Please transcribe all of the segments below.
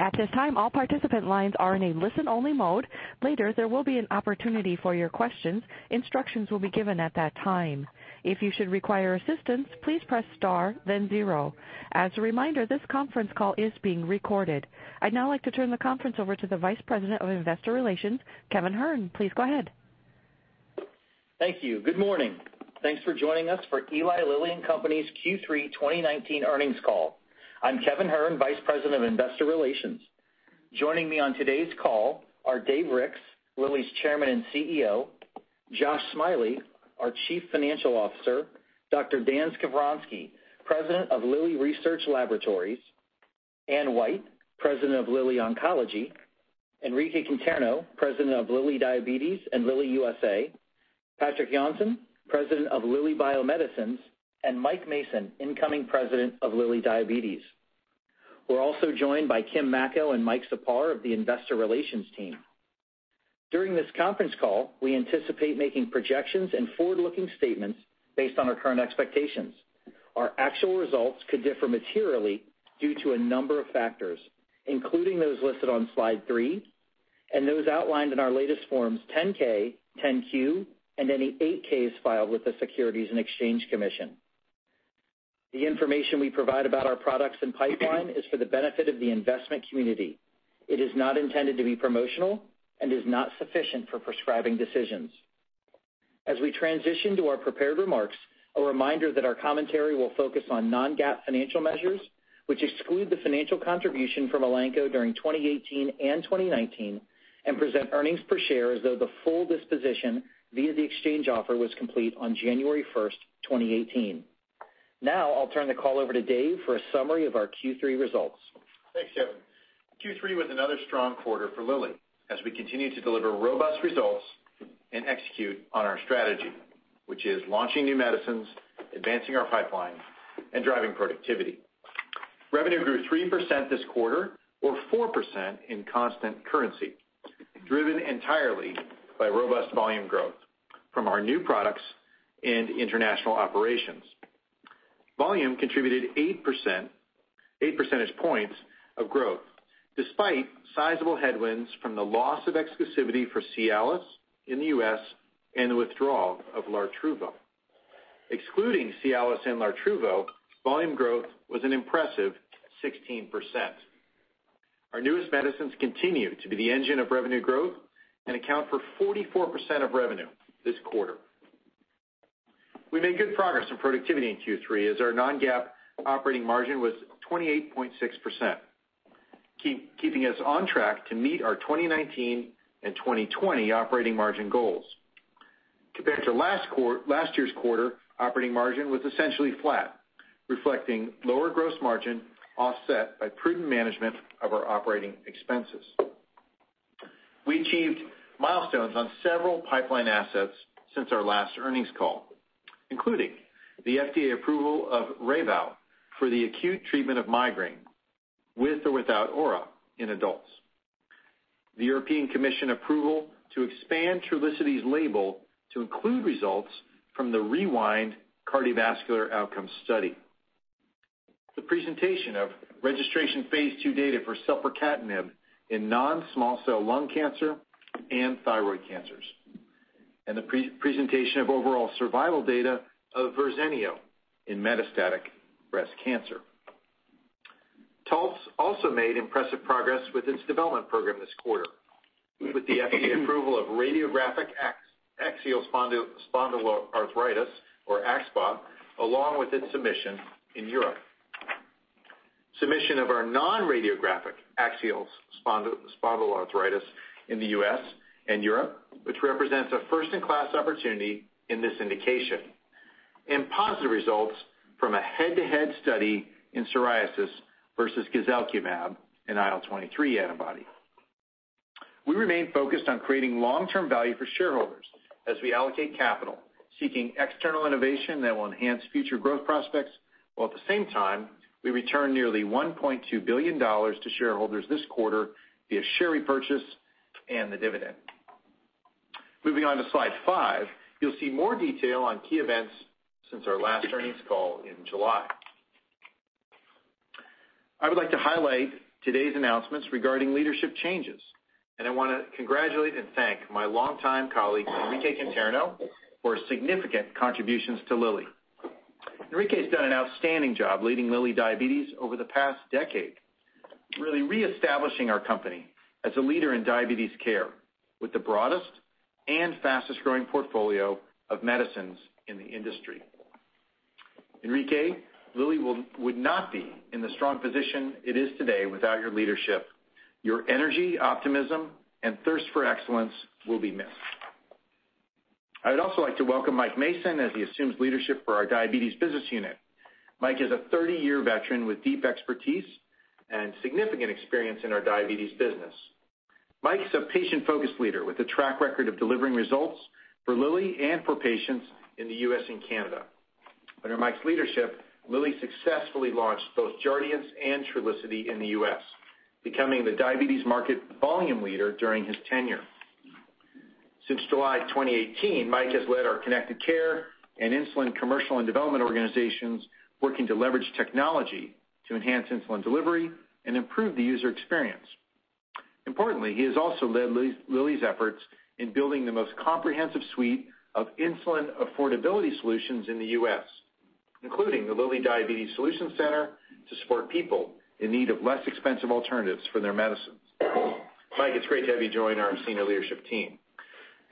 At the time, all participant lines are in a listen-only mode. Later, there will be an opportunity for your questions. Instructions will be given at that time. If you should require assistance, please press star, then zero. As a reminder, this conference call is being recorded. I'd now like to turn the conference over to the Vice President of Investor Relations, Kevin Hern. Please go ahead. Thank you. Good morning. Thanks for joining us for Eli Lilly and Company's Q3 2019 earnings call. I'm Kevin Hern, Vice President of Investor Relations. Joining me on today's call are David Ricks, Lilly's Chairman and Chief Executive Officer; Joshua Smiley, our Chief Financial Officer; Daniel Skovronsky, President of Lilly Research Laboratories; Anne White, President of Lilly Oncology; Enrique Conterno, President of Lilly Diabetes and Lilly USA; Patrik Jonsson, President of Lilly Bio-Medicines; and Mike Mason, Incoming President of Lilly Diabetes. We're also joined by Kim Macko and Mike Czapar of the investor relations team. During this conference call, we anticipate making projections and forward-looking statements based on our current expectations. Our actual results could differ materially due to a number of factors, including those listed on slide three and those outlined in our latest forms, 10-K, 10-Q, and any 8-Ks filed with the Securities and Exchange Commission. The information we provide about our products and pipeline is for the benefit of the investment community. It is not intended to be promotional and is not sufficient for prescribing decisions. As we transition to our prepared remarks, a reminder that our commentary will focus on non-GAAP financial measures, which exclude the financial contribution from Elanco during 2018 and 2019, and present earnings per share as though the full disposition via the exchange offer was complete on January 1st, 2018. I'll turn the call over to Dave for a summary of our Q3 results. Thanks, Kevin. Q3 was another strong quarter for Lilly as we continue to deliver robust results and execute on our strategy, which is launching new medicines, advancing our pipeline, and driving productivity. Revenue grew 3% this quarter or 4% in constant currency, driven entirely by robust volume growth from our new products and international operations. Volume contributed 8%, 8 percentage points of growth, despite sizable headwinds from the loss of exclusivity for Cialis in the U.S. and the withdrawal of Lartruvo. Excluding Cialis and Lartruvo, volume growth was an impressive 16%. Our newest medicines continue to be the engine of revenue growth and account for 44% of revenue this quarter. We made good progress in productivity in Q3 as our non-GAAP operating margin was 28.6%, keeping us on track to meet our 2019 and 2020 operating margin goals. Compared to last year's quarter, operating margin was essentially flat, reflecting lower gross margin offset by prudent management of our operating expenses. We achieved milestones on several pipeline assets since our last earnings call, including the FDA approval of REYVOW for the acute treatment of migraine with or without aura in adults. The European Commission approval to expand Trulicity's label to include results from the REWIND cardiovascular outcome study. The presentation of registration phase II data for selpercatinib in non-small cell lung cancer and thyroid cancers, and the pre-presentation of overall survival data of Verzenio in metastatic breast cancer. Taltz also made impressive progress with its development program this quarter with the FDA approval of radiographic axial spondyloarthritis, or AxSpA, along with its submission in Europe. Submission of our non-radiographic axial spondyloarthritis in the U.S. and Europe, which represents a first-in-class opportunity in this indication. Positive results from a head-to-head study in psoriasis versus guselkumab in IL-23 antibody. We remain focused on creating long-term value for shareholders as we allocate capital, seeking external innovation that will enhance future growth prospects, while at the same time, we return nearly $1.2 billion to shareholders this quarter via share repurchase and the dividend. Moving on to slide five, you'll see more detail on key events since our last earnings call in July. I would like to highlight today's announcements regarding leadership changes, and I wanna congratulate and thank my longtime colleague, Enrique Conterno, for significant contributions to Lilly. Enrique has done an outstanding job leading Lilly Diabetes over the past decade, really reestablishing our company as a leader in diabetes care with the broadest and fastest-growing portfolio of medicines in the industry. Enrique, Lilly would not be in the strong position it is today without your leadership. Your energy, optimism, and thirst for excellence will be missed. I would also like to welcome Mike Mason as he assumes leadership for our diabetes business unit. Mike is a 30-year veteran with deep expertise and significant experience in our diabetes business. Mike's a patient-focused leader with a track record of delivering results for Lilly and for patients in the U.S. and Canada. Under Mike's leadership, Lilly successfully launched both Jardiance and Trulicity in the U.S., becoming the diabetes market volume leader during his tenure. Since July 2018, Mike has led our connected care and insulin commercial and development organizations working to leverage technology to enhance insulin delivery and improve the user experience. Importantly, he has also led Lilly's efforts in building the most comprehensive suite of insulin affordability solutions in the U.S., including the Lilly Diabetes Solution Center to support people in need of less expensive alternatives for their medicines. Mike, it's great to have you join our senior leadership team.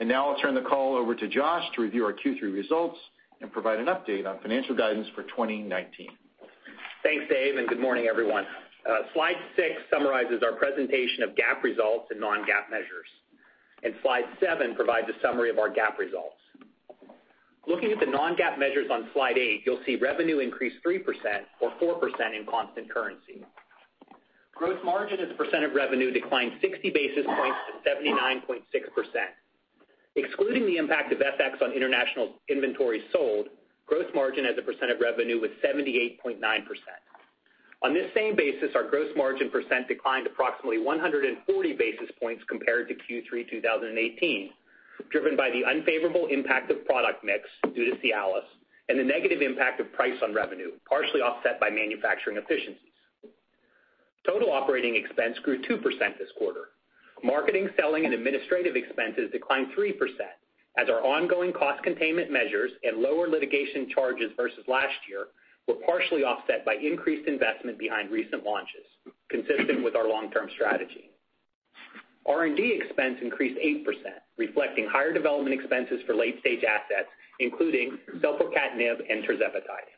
Now I'll turn the call over to Josh to review our Q3 results and provide an update on financial guidance for 2019. Thanks, Dave, good morning, everyone. Slide six summarizes our presentation of GAAP results and non-GAAP measures. Slide seven provides a summary of our GAAP results. Looking at the non-GAAP measures on slide eight, you'll see revenue increased 3% or 4% in constant currency. Gross margin as a percent of revenue declined 60 basis points to 79.6%. Excluding the impact of FX on international inventory sold, gross margin as a percent of revenue was 78.9%. On this same basis, our gross margin percent declined approximately 140 basis points compared to Q3 2018, driven by the unfavorable impact of product mix due to Cialis and the negative impact of price on revenue, partially offset by manufacturing efficiencies. Total operating expense grew 2% this quarter. Marketing, selling, and administrative expenses declined 3% as our ongoing cost containment measures and lower litigation charges versus last year were partially offset by increased investment behind recent launches, consistent with our long-term strategy. R&D expense increased 8%, reflecting higher development expenses for late-stage assets, including selpercatinib and tirzepatide.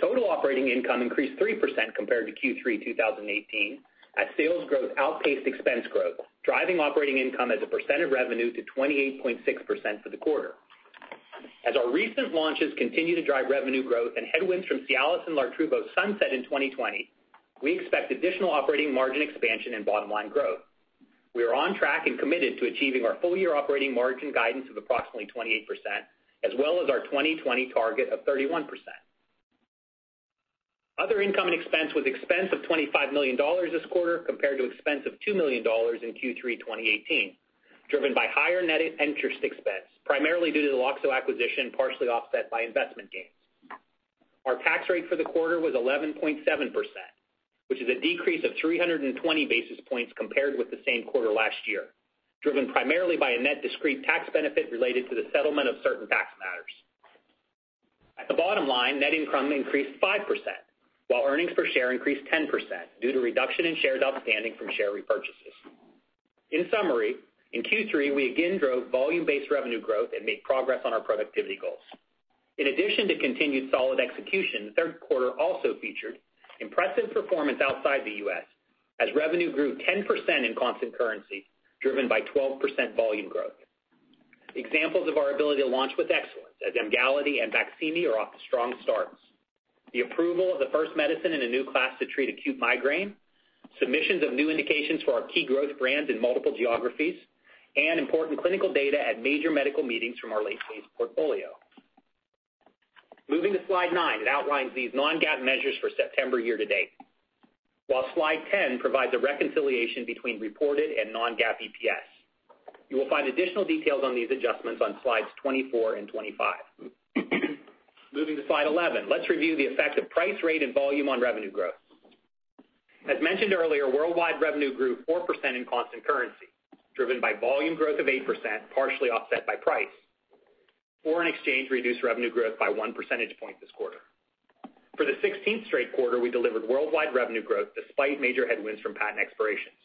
Total operating income increased 3% compared to Q3 2018 as sales growth outpaced expense growth, driving operating income as a percent of revenue to 28.6% for the quarter. As our recent launches continue to drive revenue growth and headwinds from Cialis and Lartruvo sunset in 2020, we expect additional operating margin expansion and bottom-line growth. We are on track and committed to achieving our full-year operating margin guidance of approximately 28% as well as our 2020 target of 31%. Other income and expense was expense of $25 million this quarter compared to expense of $2 million in Q3 2018, driven by higher net interest expense, primarily due to the Loxo acquisition, partially offset by investment gains. Our tax rate for the quarter was 11.7%, which is a decrease of 320 basis points compared with the same quarter last year, driven primarily by a net discrete tax benefit related to the settlement of certain tax matters. At the bottom line, net income increased 5%, while earnings per share increased 10% due to reduction in shares outstanding from share repurchases. In summary, in Q3, we again drove volume-based revenue growth and made progress on our productivity goals. In addition to continued solid execution, the third quarter also featured impressive performance outside the U.S. as revenue grew 10% in constant currency, driven by 12% volume growth. Examples of our ability to launch with excellence as Emgality and BAQSIMI are off to strong starts. The approval of the first medicine in a new class to treat acute migraine, submissions of new indications for our key growth brands in multiple geographies, and important clinical data at major medical meetings from our late-stage portfolio. Moving to slide, it outlines these non-GAAP measures for September year-to-date. Slide 10 provides a reconciliation between reported and non-GAAP EPS. You will find additional details on these adjustments on slides 24 and 25. Moving to slide 11, let's review the effect of price, rate, and volume on revenue growth. As mentioned earlier, worldwide revenue grew 4% in constant currency, driven by volume growth of 8%, partially offset by price. Foreign exchange reduced revenue growth by 1 percentage point this quarter. For the 16th straight quarter, we delivered worldwide revenue growth despite major headwinds from patent expirations.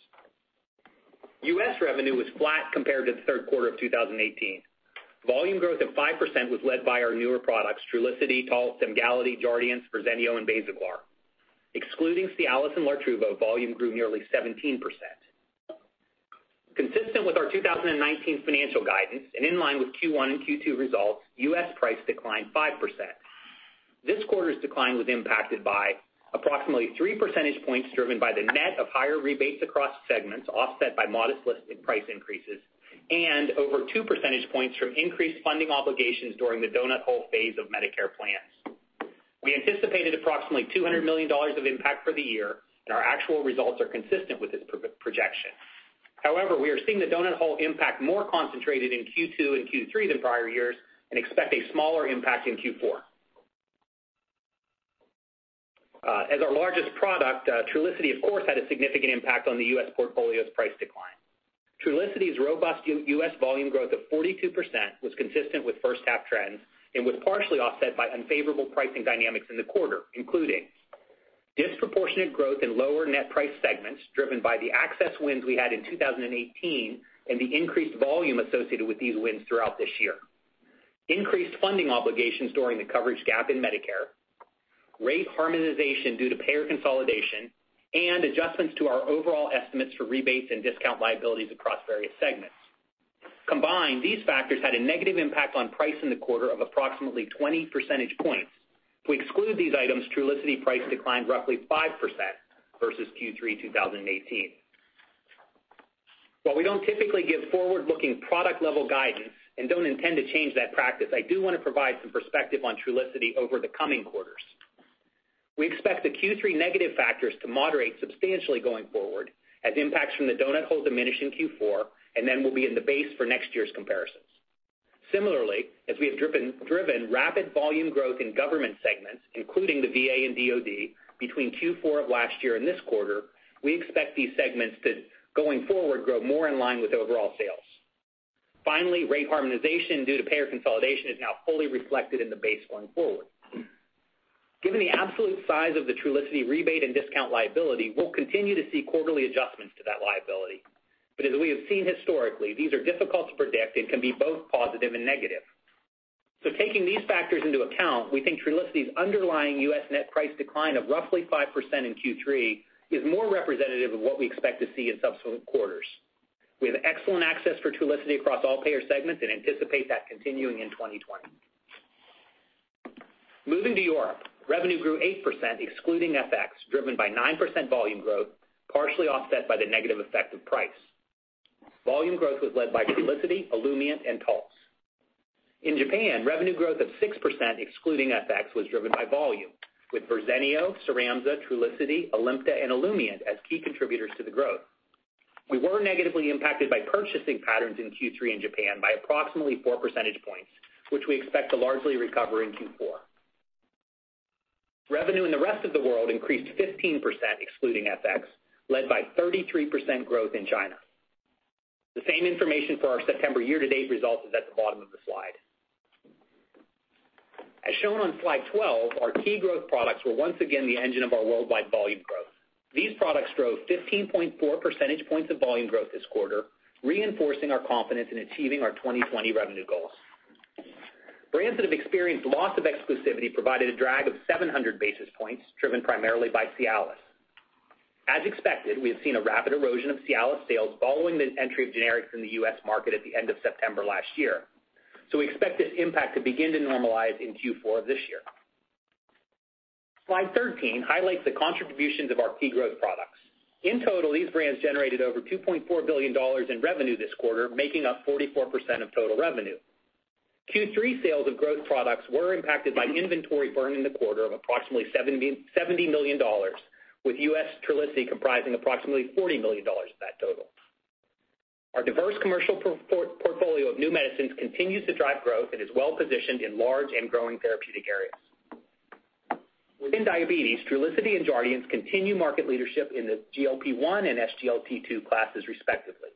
U.S. revenue was flat compared to the third quarter of 2018. Volume growth of 5% was led by our newer products, Trulicity, Taltz, Emgality, Jardiance, Verzenio, and Basaglar. Excluding Cialis and Lartruvo, volume grew nearly 17%. Consistent with our 2019 financial guidance and in line with Q1 and Q2 results, U.S. price declined 5%. This quarter's decline was impacted by approximately 3 percentage points driven by the net of higher rebates across segments offset by modest list price increases and over 2 percentage points from increased funding obligations during the donut hole phase of Medicare plans. We anticipated approximately $200 million of impact for the year, and our actual results are consistent with this projection. We are seeing the donut hole impact more concentrated in Q2 and Q3 than prior years and expect a smaller impact in Q4. As our largest product, Trulicity of course, had a significant impact on the U.S. portfolio's price decline. Trulicity's robust U.S. volume growth of 42% was consistent with first half trends and was partially offset by unfavorable pricing dynamics in the quarter, including disproportionate growth in lower net price segments driven by the access wins we had in 2018 and the increased volume associated with these wins throughout this year, increased funding obligations during the coverage gap in Medicare, rate harmonization due to payer consolidation, and adjustments to our overall estimates for rebates and discount liabilities across various segments. Combined, these factors had a negative impact on price in the quarter of approximately 20 percentage points. If we exclude these items, Trulicity price declined roughly 5% versus Q3 2018. While we don't typically give forward-looking product level guidance and don't intend to change that practice, I do wanna provide some perspective on Trulicity over the coming quarters. We expect the Q3 negative factors to moderate substantially going forward as impacts from the donut hole diminish in Q4. Then we'll be in the base for next year's comparisons. Similarly, as we have driven rapid volume growth in government segments, including the VA and DOD between Q4 of last year and this quarter, we expect these segments to, going forward, grow more in line with overall sales. Finally, rate harmonization due to payer consolidation is now fully reflected in the base going forward. Given the absolute size of the Trulicity rebate and discount liability, we'll continue to see quarterly adjustments to that liability. As we have seen historically, these are difficult to predict and can be both positive and negative. Taking these factors into account, we think Trulicity's underlying U.S. net price decline of roughly 5% in Q3 is more representative of what we expect to see in subsequent quarters. We have excellent access for Trulicity across all payer segments and anticipate that continuing in 2020. Moving to Europe. Revenue grew 8% excluding FX, driven by 9% volume growth, partially offset by the negative effect of price. Volume growth was led by Trulicity, Olumiant and Taltz. In Japan, revenue growth of 6% excluding FX was driven by volume, with Verzenio, Cyramza, Trulicity, Olumiant and Olumiant as key contributors to the growth. We were negatively impacted by purchasing patterns in Q3 in Japan by approximately 4 percentage points, which we expect to largely recover in Q4. Revenue in the rest of the world increased 15% excluding FX, led by 33% growth in China. The same information for our September year-to-date results is at the bottom of the slide. As shown on slide 12, our key growth products were once again the engine of our worldwide volume growth. These products drove 15.4 percentage points of volume growth this quarter, reinforcing our confidence in achieving our 2020 revenue goals. Brands that have experienced loss of exclusivity provided a drag of 700 basis points, driven primarily by Cialis. As expected, we have seen a rapid erosion of Cialis sales following the entry of generics in the U.S. market at the end of September last year. We expect this impact to begin to normalize in Q4 of this year. Slide 13 highlights the contributions of our key growth products. In total, these brands generated over $2.4 billion in revenue this quarter, making up 44% of total revenue. Q3 sales of growth products were impacted by inventory burn in the quarter of approximately $70 million, with U.S. Trulicity comprising approximately $40 million of that total. Our diverse commercial portfolio of new medicines continues to drive growth and is well-positioned in large and growing therapeutic areas. Within diabetes, Trulicity and Jardiance continue market leadership in the GLP-1 and SGLT2 classes, respectively.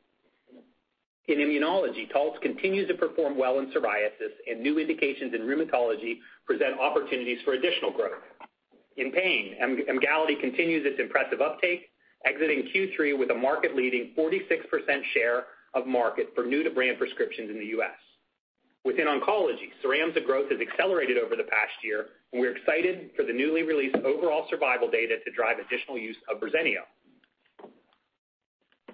In immunology, Taltz continues to perform well in psoriasis, and new indications in rheumatology present opportunities for additional growth. In pain, Emgality continues its impressive uptake, exiting Q3 with a market-leading 46% share of market for new-to-brand prescriptions in the U.S. Within oncology, Cyramza growth has accelerated over the past year, and we're excited for the newly released overall survival data to drive additional use of Verzenio.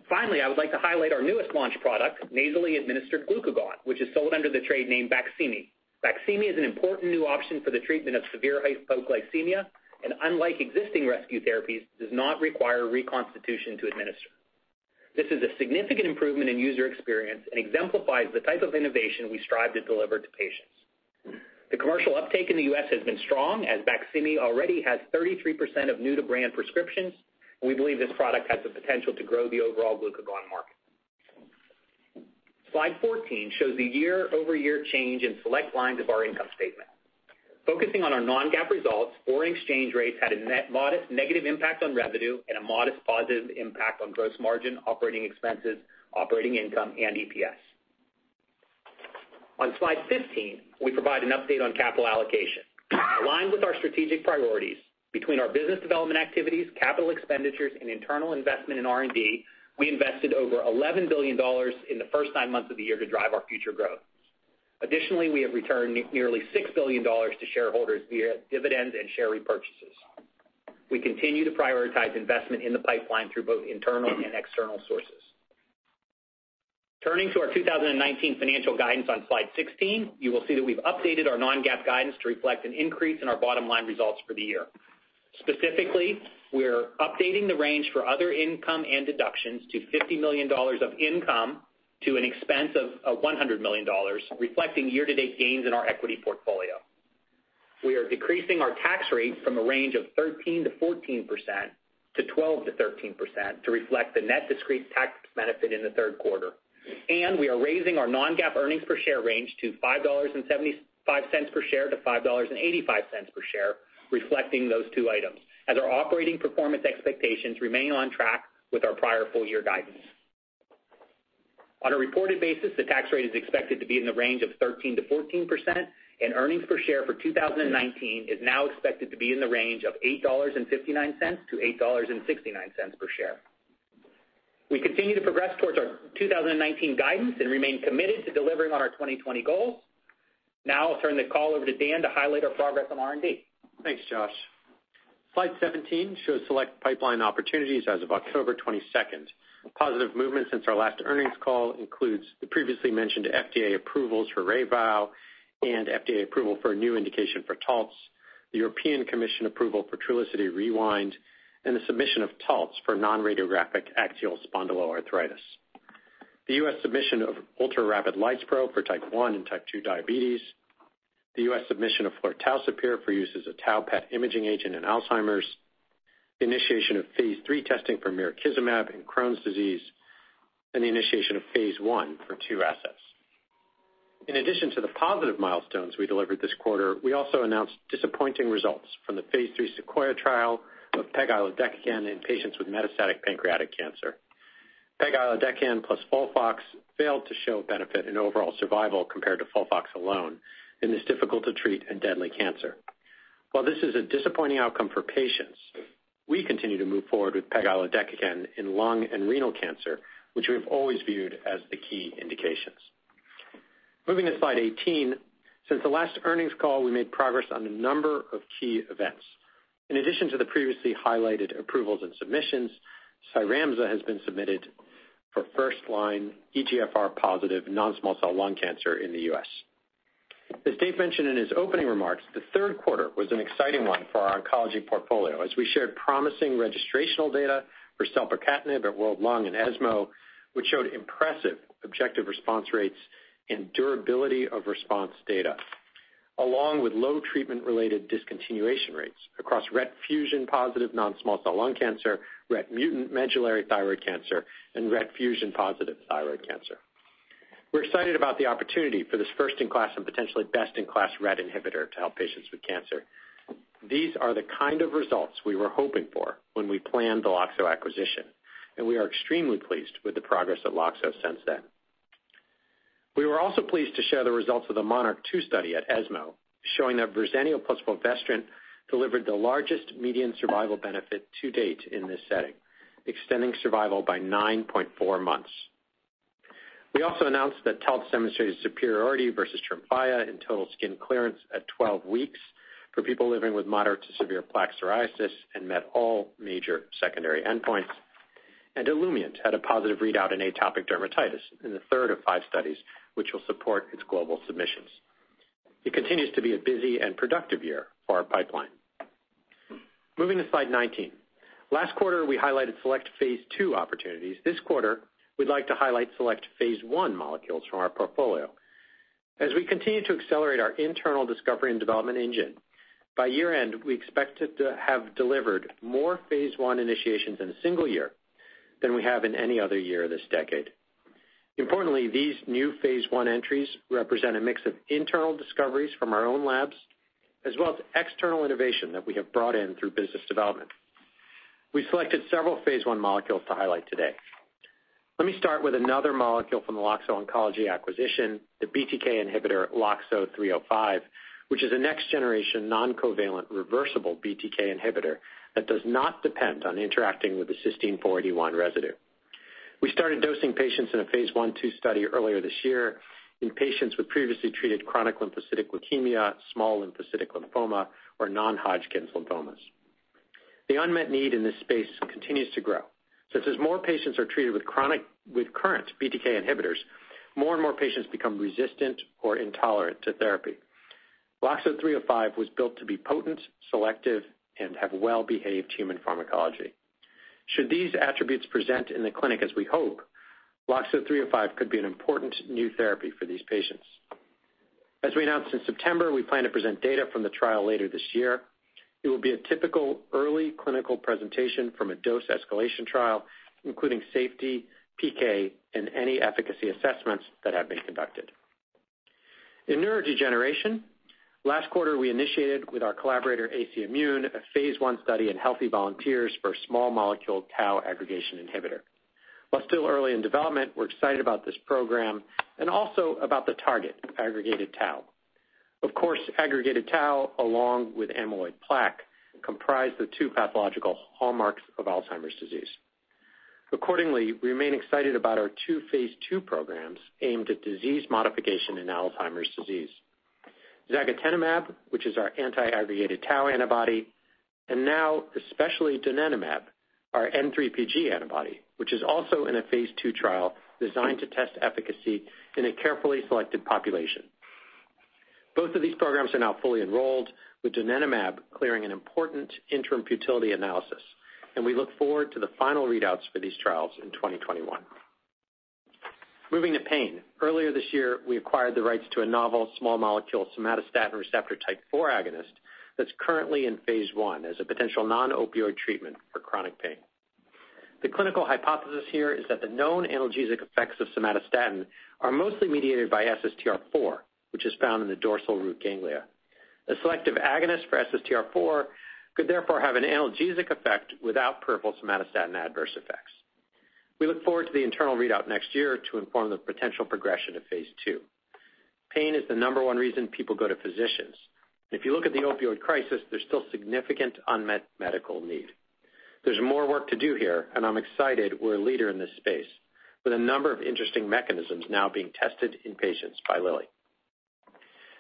Finally, I would like to highlight our newest launch product, nasally administered glucagon, which is sold under the trade name BAQSIMI. BAQSIMI is an important new option for the treatment of severe hypoglycemia, and unlike existing rescue therapies, does not require reconstitution to administer. This is a significant improvement in user experience and exemplifies the type of innovation we strive to deliver to patients. The commercial uptake in the U.S. has been strong, as BAQSIMI already has 33% of new-to-brand prescriptions, and we believe this product has the potential to grow the overall glucagon market. Slide 14 shows the year-over-year change in select lines of our income statement. Focusing on our non-GAAP results, foreign exchange rates had a net modest negative impact on revenue and a modest positive impact on gross margin, operating expenses, operating income and EPS. On slide 15, we provide an update on capital allocation. Aligned with our strategic priorities, between our business development activities, capital expenditures and internal investment in R&D, we invested over $11 billion in the first nine months of the year to drive our future growth. Additionally, we have returned nearly $6 billion to shareholders via dividends and share repurchases. We continue to prioritize investment in the pipeline through both internal and external sources. Turning to our 2019 financial guidance on slide 16, you will see that we've updated our non-GAAP guidance to reflect an increase in our bottom line results for the year. Specifically, we're updating the range for other income and deductions to $50 million of income to an expense of $100 million, reflecting year-to-date gains in our equity portfolio. We are decreasing our tax rate from a range of 13%-14% to 12%-13% to reflect the net discrete tax benefit in the third quarter. We are raising our non-GAAP earnings per share range to $5.75 per share to $5.85 per share, reflecting those two items, as our operating performance expectations remain on track with our prior full year guidance. On a reported basis, the tax rate is expected to be in the range of 13%-14%, and earnings per share for 2019 is now expected to be in the range of $8.59-$8.69 per share. We continue to progress towards our 2019 guidance and remain committed to delivering on our 2020 goals. I'll turn the call over to Dan to highlight our progress on R&D. Thanks, Josh. Slide 17 shows select pipeline opportunities as of October 22nd. Positive movement since our last earnings call includes the previously mentioned FDA approvals for REYVOW and FDA approval for a new indication for Taltz, the European Commission approval for Trulicity REWIND, and the submission of Taltz for non-radiographic axial spondyloarthritis. The U.S. submission of ultrarapid lispro for type 1 and type 2 diabetes, the U.S. submission of flortaucipir for use as a tau PET imaging agent in Alzheimer's, the initiation of phase III testing for mirikizumab in Crohn's disease, and the initiation of phase I for II assets. In addition to the positive milestones we delivered this quarter, we also announced disappointing results from the phase III SEQUOIA trial of pegilodecakin in patients with metastatic pancreatic cancer. Pegilodecakin plus FOLFOX failed to show benefit in overall survival compared to FOLFOX alone in this difficult to treat and deadly cancer. While this is a disappointing outcome for patients, we continue to move forward with pegilodecakin in lung and renal cancer, which we have always viewed as the key indications. Moving to slide 18, since the last earnings call, we made progress on a number of key events. In addition to the previously highlighted approvals and submissions, Cyramza has been submitted for first line EGFR positive non-small cell lung cancer in the U.S. As Dave mentioned in his opening remarks, the third quarter was an exciting one for our oncology portfolio, as we shared promising registrational data for selpercatinib at World Lung and ESMO, which showed impressive objective response rates and durability of response data, along with low treatment-related discontinuation rates across RET fusion positive non-small cell lung cancer, RET mutant medullary thyroid cancer, and RET fusion positive thyroid cancer. We're excited about the opportunity for this first in class and potentially best in class RET inhibitor to help patients with cancer. These are the kind of results we were hoping for when we planned the Loxo acquisition, and we are extremely pleased with the progress of Loxo since then. We were also pleased to share the results of the MONARCH 2 study at ESMO, showing that Verzenio plus fulvestrant delivered the largest median survival benefit to date in this setting, extending survival by 9.4 months. We also announced that Taltz demonstrated superiority versus TREMFYA in total skin clearance at 12 weeks for people living with moderate to severe plaque psoriasis and met all major secondary endpoints. Olumiant had a positive readout in atopic dermatitis in the third of five studies, which will support its global submissions. It continues to be a busy and productive year for our pipeline. Moving to slide 19. Last quarter, we highlighted select phase II opportunities. This quarter, we'd like to highlight select phase I molecules from our portfolio. As we continue to accelerate our internal discovery and development engine, by year-end, we expect it to have delivered more phase I initiations in a single year than we have in any other year this decade. Importantly, these new phase I entries represent a mix of internal discoveries from our own labs as well as external innovation that we have brought in through business development. We selected several phase I molecules to highlight today. Let me start with another molecule from the Loxo Oncology acquisition, the BTK inhibitor LOXO-305, which is a next generation non-covalent reversible BTK inhibitor that does not depend on interacting with the cysteine 481 residue. We started dosing patients in a phase I/II study earlier this year in patients with previously treated chronic lymphocytic leukemia, small lymphocytic lymphoma, or non-Hodgkin lymphomas. The unmet need in this space continues to grow. As more patients are treated with current BTK inhibitors, more and more patients become resistant or intolerant to therapy. LOXO-305 was built to be potent, selective, and have well-behaved human pharmacology. Should these attributes present in the clinic as we hope, LOXO-305 could be an important new therapy for these patients. As we announced in September, we plan to present data from the trial later this year. It will be a typical early clinical presentation from a dose escalation trial, including safety, PK, and any efficacy assessments that have been conducted. In neurodegeneration, last quarter, we initiated with our collaborator, AC Immune, a phase I study in healthy volunteers for a small molecule tau aggregation inhibitor. While still early in development, we're excited about this program and also about the target, aggregated tau. Aggregated tau, along with amyloid plaque, comprise the two pathological hallmarks of Alzheimer's disease. We remain excited about our two phase II programs aimed at disease modification in Alzheimer's disease. Donanemab, which is our anti-aggregated tau antibody, and now especially donanemab, our N3pG antibody, which is also in a phase II trial designed to test efficacy in a carefully selected population. Both of these programs are now fully enrolled, with donanemab clearing an important interim futility analysis, and we look forward to the final readouts for these trials in 2021. Moving to pain. Earlier this year, we acquired the rights to a novel small molecule somatostatin receptor type 4 agonist that is currently in phase I as a potential non-opioid treatment for chronic pain. The clinical hypothesis here is that the known analgesic effects of somatostatin are mostly mediated by SSTR4, which is found in the dorsal root ganglia. A selective agonist for SSTR4 could therefore have an analgesic effect without peripheral somatostatin adverse effects. We look forward to the internal readout next year to inform the potential progression to phase II. Pain is the number one reason people go to physicians, and if you look at the opioid crisis, there is still significant unmet medical need. There is more work to do here, and I am excited we are a leader in this space with a number of interesting mechanisms now being tested in patients by Lilly.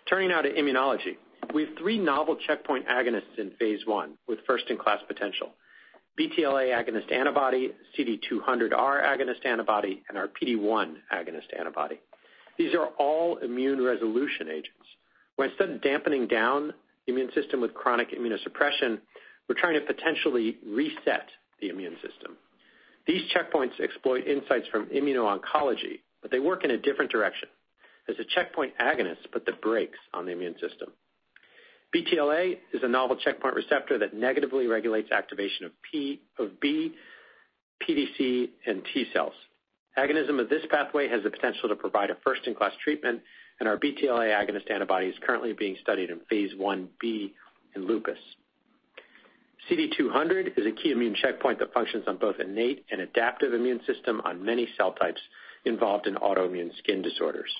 Turning now to Immunology. We have three novel checkpoint agonists in phase I with first-in-class potential, BTLA agonist antibody, CD200R agonist antibody, and our PD-1 agonist antibody. These are all immune resolution agents. Instead of dampening down the immune system with chronic immunosuppression, we're trying to potentially reset the immune system. These checkpoints exploit insights from immuno-oncology. They work in a different direction, as the checkpoint agonists put the brakes on the immune system. BTLA is a novel checkpoint receptor that negatively regulates activation of B, pDC, and T cells. Agonism of this pathway has the potential to provide a first-in-class treatment. Our BTLA agonist antibody is currently being studied in Phase I-B in lupus. CD200 is a key immune checkpoint that functions on both innate and adaptive immune system on many cell types involved in autoimmune skin disorders.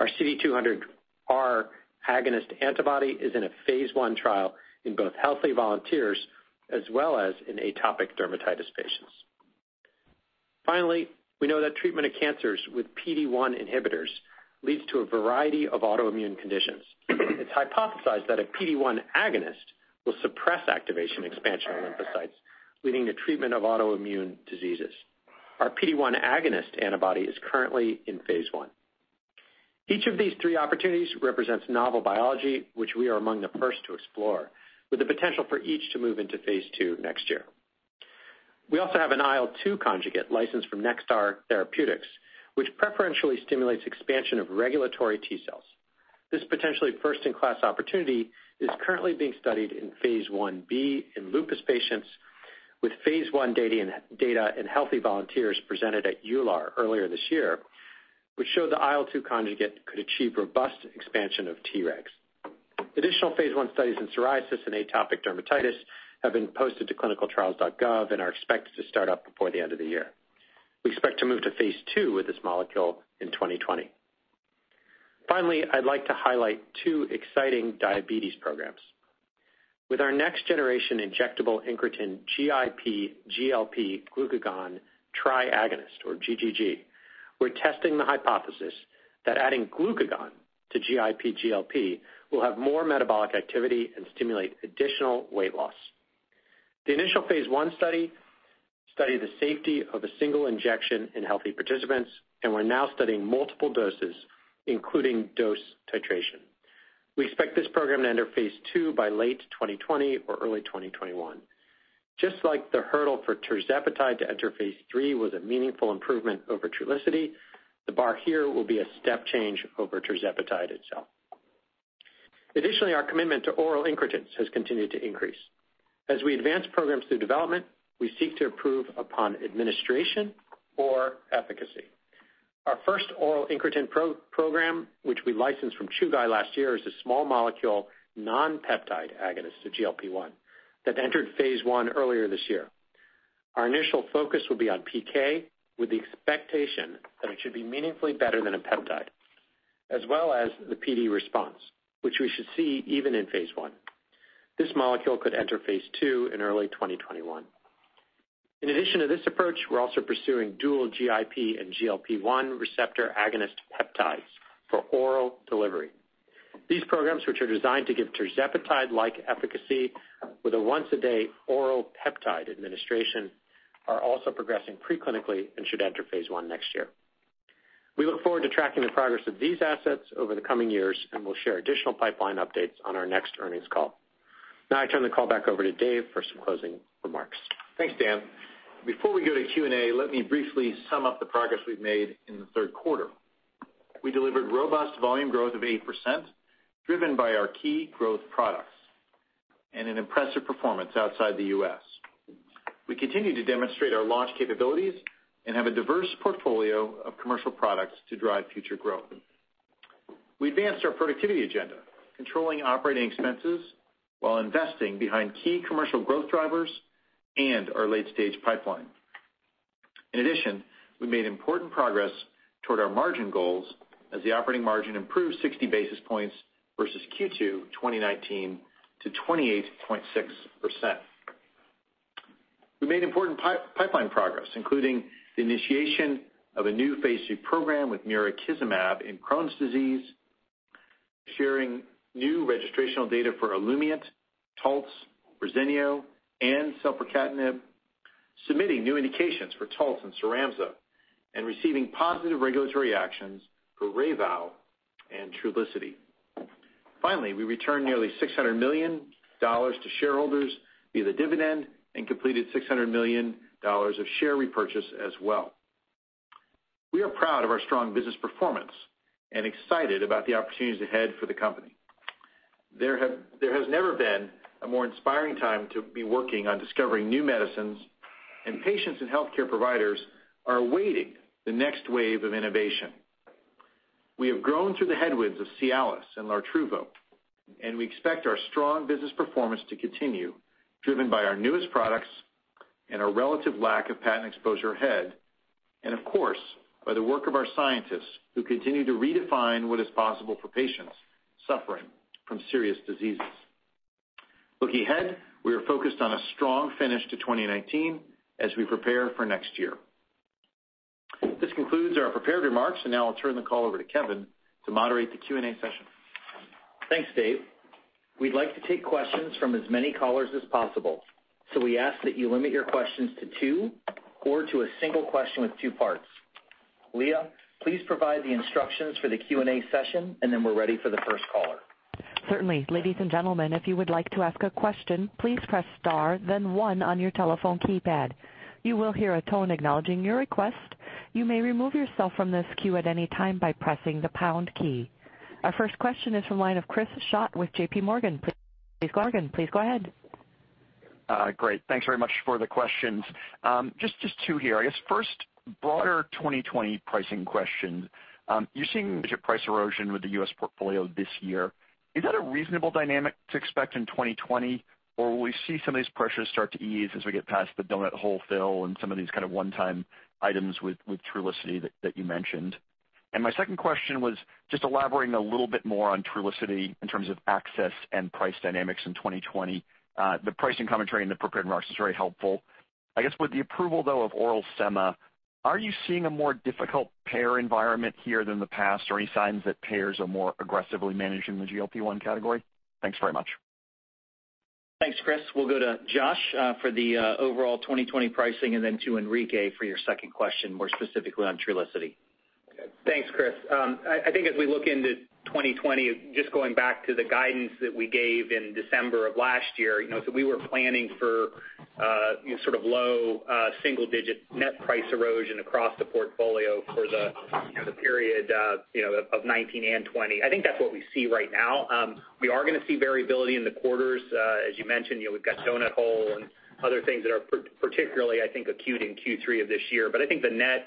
Our CD200R agonist antibody is in a phase I trial in both healthy volunteers as well as in atopic dermatitis patients. We know that treatment of cancers with PD-1 inhibitors leads to a variety of autoimmune conditions. It's hypothesized that a PD-1 agonist will suppress activation expansion of lymphocytes, leading to treatment of autoimmune diseases. Our PD-1 agonist antibody is currently in phase I. Each of these three opportunities represents novel biology, which we are among the first to explore, with the potential for each to move into phase II next year. We also have an IL-2 conjugate licensed from Nektar Therapeutics, which preferentially stimulates expansion of regulatory T cells. This potentially first-in-class opportunity is currently being studied in phase I-B in lupus patients with phase I data in healthy volunteers presented at EULAR earlier this year, which show the IL-2 conjugate could achieve robust expansion of Tregs. Additional phase I studies in psoriasis and atopic dermatitis have been posted to clinicaltrials.gov and are expected to start up before the end of the year. We expect to move to phase II with this molecule in 2020. Finally, I'd like to highlight two exciting diabetes programs. With our next-generation injectable incretin GIP, GLP, glucagon triagonist, or GGG, we're testing the hypothesis that adding glucagon to GIP, GLP will have more metabolic activity and stimulate additional weight loss. The initial phase I study studied the safety of a single injection in healthy participants. We're now studying multiple doses, including dose titration. We expect this program to enter phase II by late 2020 or early 2021. Just like the hurdle for tirzepatide to enter phase III was a meaningful improvement over Trulicity, the bar here will be a step change over tirzepatide itself. Additionally, our commitment to oral incretins has continued to increase. As we advance programs through development, we seek to improve upon administration or efficacy. Our first oral incretin program, which we licensed from Chugai last year, is a small molecule non-peptide agonist to GLP-1 that entered phase I earlier this year. Our initial focus will be on PK with the expectation that it should be meaningfully better than a peptide, as well as the PD response, which we should see even in phase I. This molecule could enter phase II in early 2021. In addition to this approach, we're also pursuing dual GIP and GLP-1 receptor agonist peptides for oral delivery. These programs, which are designed to give tirzepatide-like efficacy with a once-a-day oral peptide administration, are also progressing pre-clinically and should enter phase I next year. We look forward to tracking the progress of these assets over the coming years, and we'll share additional pipeline updates on our next earnings call. I turn the call back over to David for some closing remarks. Thanks, Dan. Before we go to Q&A, let me briefly sum up the progress we've made in the third quarter. We delivered robust volume growth of 8%, driven by our key growth products and an impressive performance outside the U.S. We continue to demonstrate our launch capabilities and have a diverse portfolio of commercial products to drive future growth. We advanced our productivity agenda, controlling operating expenses while investing behind key commercial growth drivers and our late-stage pipeline. In addition, we made important progress toward our margin goals as the operating margin improved 60 basis points versus Q2 2019 to 28.6%. We made important pipeline progress, including the initiation of a new phase II program with mirikizumab in Crohn's disease, sharing new registrational data for Olumiant, Taltz, Verzenio, and selpercatinib, submitting new indications for Taltz and Cyramza, and receiving positive regulatory actions for REYVOW and Trulicity. Finally, we returned nearly $600 million to shareholders via the dividend and completed $600 million of share repurchase as well. We are proud of our strong business performance and excited about the opportunities ahead for the company. There has never been a more inspiring time to be working on discovering new medicines, and patients and healthcare providers are awaiting the next wave of innovation. We have grown through the headwinds of Cialis and Lartruvo, and we expect our strong business performance to continue, driven by our newest products and our relative lack of patent exposure ahead, and of course, by the work of our scientists, who continue to redefine what is possible for patients suffering from serious diseases. Looking ahead, we are focused on a strong finish to 2019 as we prepare for next year. This concludes our prepared remarks. Now I'll turn the call over to Kevin to moderate the Q&A session. Thanks, Dave. We'd like to take questions from as many callers as possible, so we ask that you limit your questions to two or to a single question with two parts. Leah, please provide the instructions for the Q&A session, and then we're ready for the first caller. Certainly, ladies and gentlemen, if you would like to ask a question, please press star then one on your telephone keypad. You will hear a tone acknowledging your request. You may remove yourself from this queue at any time by pressing the pound key. Our first question is from line of Chris Schott with JPMorgan. Please go ahead. Great. Thanks very much for the questions. Just two here. I guess first, broader 2020 pricing question. You're seeing price erosion with the U.S. portfolio this year. Is that a reasonable dynamic to expect in 2020, or will we see some of these pressures start to ease as we get past the donut hole fill and some of these kind of one-time items with Trulicity that you mentioned? My second question was just elaborating a little bit more on Trulicity in terms of access and price dynamics in 2020. The pricing commentary in the prepared remarks is very helpful. I guess with the approval, though, of oral semaglutide, are you seeing a more difficult payer environment here than the past, or any signs that payers are more aggressively managing the GLP-1 category? Thanks very much. Thanks, Chris. We'll go to Josh for the overall 2020 pricing, to Enrique for your second question, more specifically on Trulicity. Thanks, Chris. I think as we look into 2020, just going back to the guidance that we gave in December of last year, you know, we were planning for sort of low single-digit net price erosion across the portfolio for the, you know, the period, you know, of 2019 and 2020. I think that's what we see right now. We are going to see variability in the quarters. As you mentioned, you know, we've got donut hole and other things that are particularly, I think, acute in Q3 of this year. I think the net,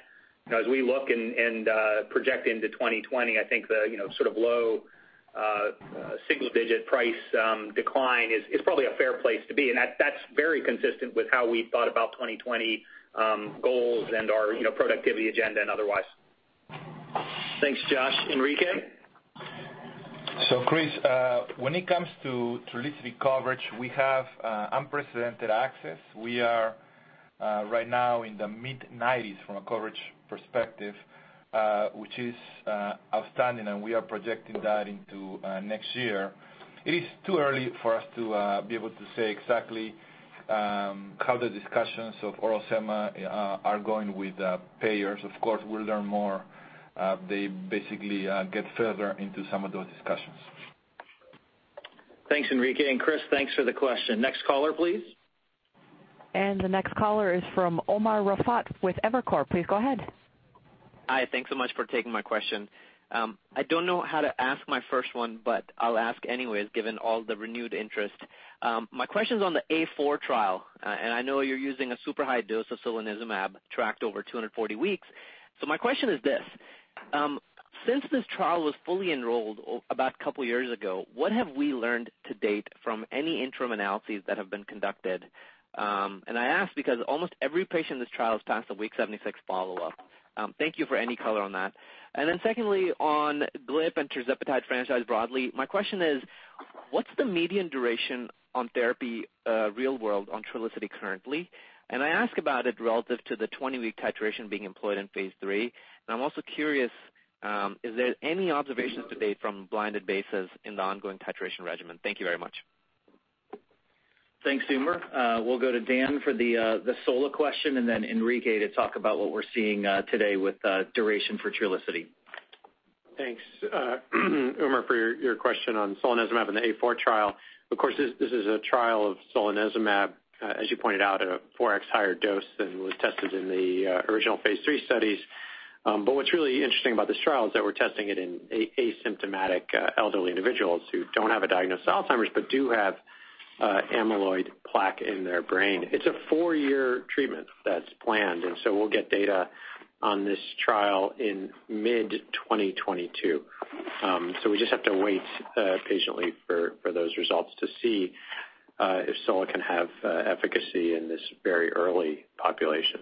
as we look and project into 2020, I think the, you know, sort of low single-digit price decline is probably a fair place to be. That's very consistent with how we thought about 2020, goals and our, you know, productivity agenda and otherwise. Thanks, Josh. Enrique? Chris, when it comes to Trulicity coverage, we have unprecedented access. We are right now in the mid-90s from a coverage perspective, which is outstanding, and we are projecting that into next year. It is too early for us to be able to say exactly how the discussions of oral semaglutide are going with payers. Of course, we'll learn more, they basically get further into some of those discussions. Thanks, Enrique. Chris, thanks for the question. Next caller, please. The next caller is from Umer Raffat with Evercore. Please go ahead. Hi. Thanks so much for taking my question. I don't know how to ask my first one, but I'll ask anyway, given all the renewed interest. My question is on the A4 trial, and I know you're using a super high dose of solanezumab tracked over 240 weeks. My question is this: since this trial was fully enrolled about two years ago, what have we learned to date from any interim analyses that have been conducted? I ask because almost every patient in this trial has passed a week 76 follow-up. Thank you for any color on that. Secondly, on GLP and tirzepatide franchise broadly, my question is, what's the median duration on therapy, real world on Trulicity currently? I ask about it relative to the 20-week titration being employed in phase III. I'm also curious, is there any observations to date from blinded bases in the ongoing titration regimen? Thank you very much. Thanks, Umer. We'll go to Daniel for the solanezumab question and then Enrique to talk about what we're seeing today with duration for Trulicity. Thanks, Umer, for your question on solanezumab and the A4 trial. Of course, this is a trial of solanezumab, as you pointed out, a 4x higher dose than was tested in the original phase III studies. What's really interesting about this trial is that we're testing it in asymptomatic elderly individuals who don't have a diagnosis of Alzheimer's, but do have amyloid plaque in their brain. It's a four-year treatment that's planned, we'll get data on this trial in mid-2022. We just have to wait patiently for those results to see if sola can have efficacy in this very early population.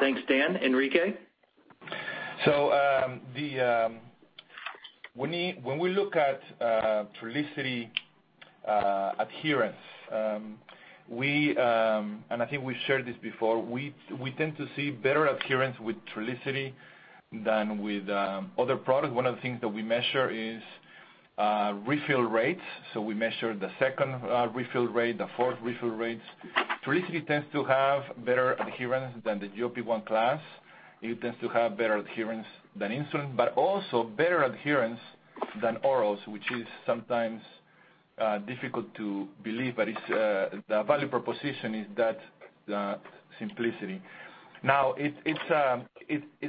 Thanks, Dan. Enrique? When we look at Trulicity adherence, we, and I think we shared this before, we tend to see better adherence with Trulicity than with other products. One of the things that we measure is refill rates, so we measure the second refill rate, the fourth refill rates. Trulicity tends to have better adherence than the GLP-1 class. It tends to have better adherence than insulin, but also better adherence than orals, which is sometimes difficult to believe, but it's the value proposition is that simplicity. Now, it's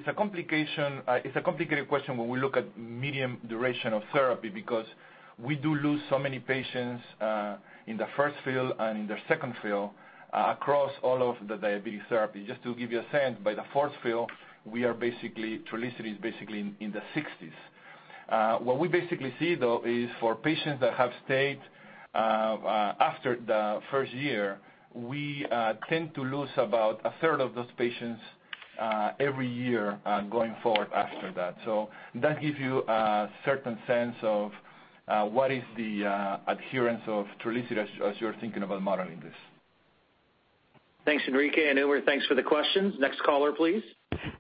a complicated question when we look at medium duration of therapy because we do lose so many patients in the first fill and in the second fill across all of the diabetes therapy. Just to give you a sense, by the fourth fill, Trulicity is basically in the 60s. What we basically see, though, is for patients that have stayed after the first year, we tend to lose about a third of those patients every year going forward after that. That gives you a certain sense of what is the adherence of Trulicity as you're thinking about modeling this. Thanks, Enrique and Umer. Thanks for the questions. Next caller, please.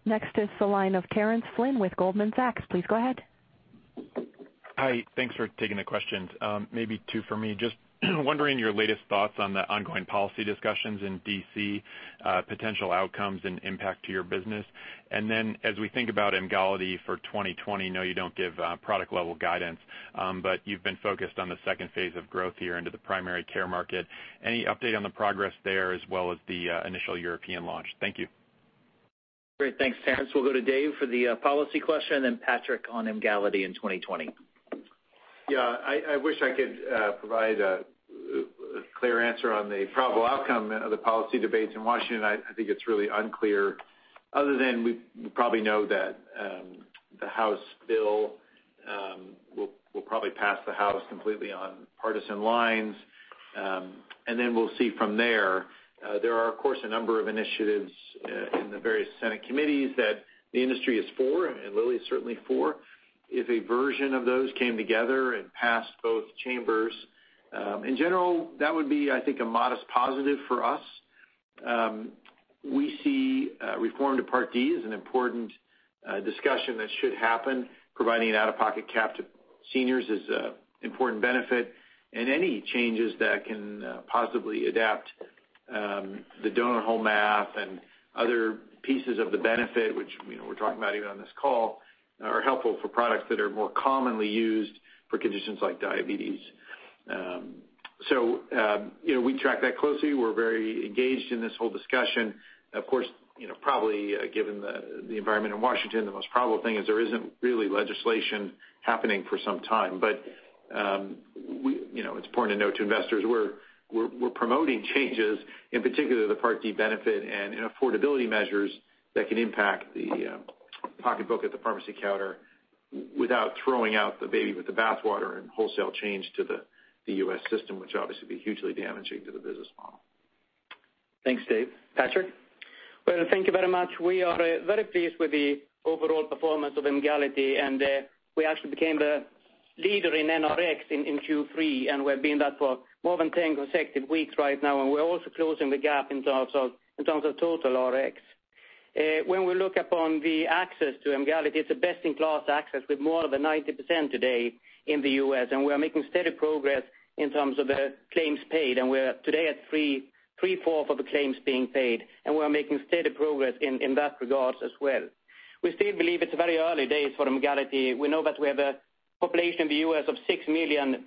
Next is the line of Terence Flynn with Goldman Sachs. Please go ahead. Hi. Thanks for taking the questions. Maybe two for me. Just wondering your latest thoughts on the ongoing policy discussions in D.C., potential outcomes and impact to your business. As we think about Emgality for 2020, I know you don't give product level guidance, but you've been focused on the second phase of growth here into the primary care market. Any update on the progress there as well as the initial European launch? Thank you. Great. Thanks, Terence. We'll go to David for the policy question, and then Patrik on Emgality in 2020. Yeah, I wish I could provide a clear answer on the probable outcome of the policy debates in Washington. I think it's really unclear other than we probably know that the House bill will probably pass the House completely on partisan lines. Then we'll see from there. There are of course, a number of initiatives in the various Senate committees that the industry is for and Lilly is certainly for. If a version of those came together and passed both chambers, in general, that would be I think a modest positive for us. We see reform to Part D as an important discussion that should happen, providing an out-of-pocket cap to seniors is a important benefit and any changes that can positively adapt the donut hole math and other pieces of the benefit, which, you know, we're talking about even on this call, are helpful for products that are more commonly used for conditions like diabetes. You know, we track that closely. We're very engaged in this whole discussion. Of course, you know, probably given the environment in Washington, the most probable thing is there isn't really legislation happening for some time. You know, it's important to note to investors we're promoting changes, in particular the Part D benefit and in affordability measures that can impact the pocketbook at the pharmacy counter without throwing out the baby with the bathwater and wholesale change to the U.S. system, which obviously would be hugely damaging to the business model. Thanks, Dave. Patrik? Well, thank you very much. We are very pleased with the overall performance of Emgality. We actually became the leader in NRx in Q3, and we've been that for more than 10 consecutive weeks right now. We're also closing the gap in terms of total Rx. When we look upon the access to Emgality, it's a best-in-class access with more than 90% today in the U.S. We are making steady progress in terms of the claims paid. We're today at 3/4 of the claims being paid. We are making steady progress in that regard as well. We still believe it's very early days for Emgality. We know that we have a population in the U.S. of 6 million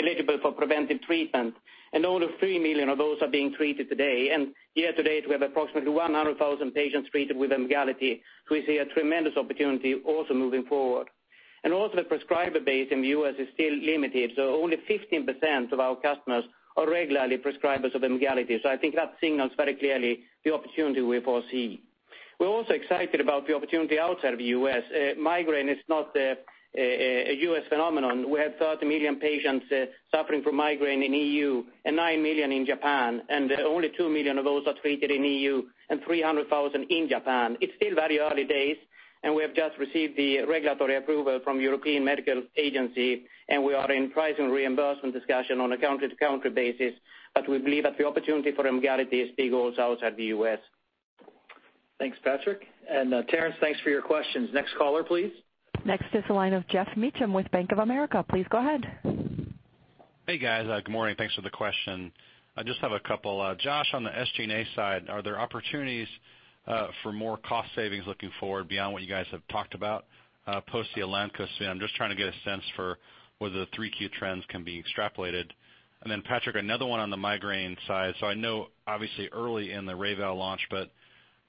eligible for preventive treatment. Only 3 million of those are being treated today. Year to date, we have approximately 100,000 patients treated with Emgality, so we see a tremendous opportunity also moving forward. Also the prescriber base in the U.S. is still limited, so only 15% of our customers are regularly prescribers of Emgality. I think that signals very clearly the opportunity we foresee. We're also excited about the opportunity outside of the U.S. migraine is not a U.S. phenomenon. We have 30 million patients suffering from migraine in EU and 9 million in Japan, and only 2 million of those are treated in EU and 300,000 in Japan. It's still very early days, and we have just received the regulatory approval from European Medicines Agency, and we are in pricing reimbursement discussion on a country-to-country basis. We believe that the opportunity for Emgality is big also outside the U.S. Thanks, Patrik. Terence, thanks for your questions. Next caller, please. Next is the line of Geoff Meacham with Bank of America. Please go ahead. Hey, guys. Good morning. Thanks for the question. I just have a couple. Josh, on the SG&A side, are there opportunities for more cost savings looking forward beyond what you guys have talked about post the Elanco spin? I'm just trying to get a sense for whether the 3Q trends can be extrapolated. Then Patrik, another one on the migraine side. I know obviously early in the REYVOW launch, but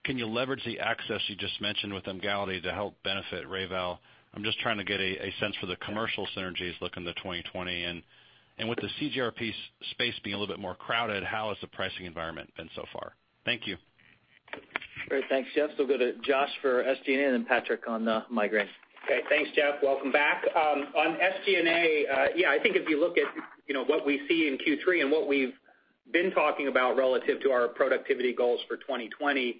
can you leverage the access you just mentioned with Emgality to help benefit REYVOW? I'm just trying to get a sense for the commercial synergies look into 2020. With the CGRP space being a little bit more crowded, how has the pricing environment been so far? Thank you. Great. Thanks, Geoff. We'll go to Joshua for SG&A and then Patrik on migraine. Okay, thanks, Geoff. Welcome back. On SG&A, I think if you look at, you know, what we see in Q3 and what we've been talking about relative to our productivity goals for 2020,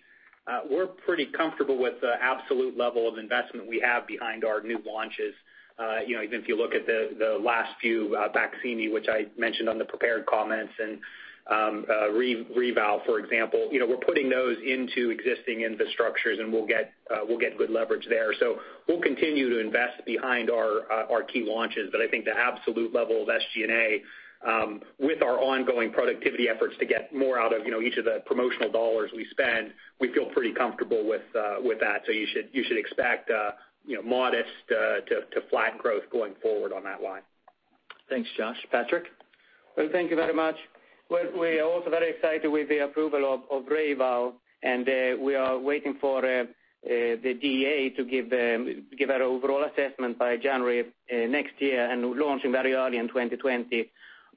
we're pretty comfortable with the absolute level of investment we have behind our new launches. You know, even if you look at the last few, BAQSIMI, which I mentioned on the prepared comments and REYVOW, for example, you know, we're putting those into existing infrastructures, and we'll get good leverage there. We'll continue to invest behind our key launches. I think the absolute level of SG&A, with our ongoing productivity efforts to get more out of, you know, each of the promotional dollars we spend, we feel pretty comfortable with that. You should expect, you know, modest, to flat growth going forward on that line. Thanks, Josh. Patrik? Well, thank you very much. Well, we are also very excited with the approval of REYVOW. We are waiting for the FDA to give their overall assessment by January next year and launching very early in 2020.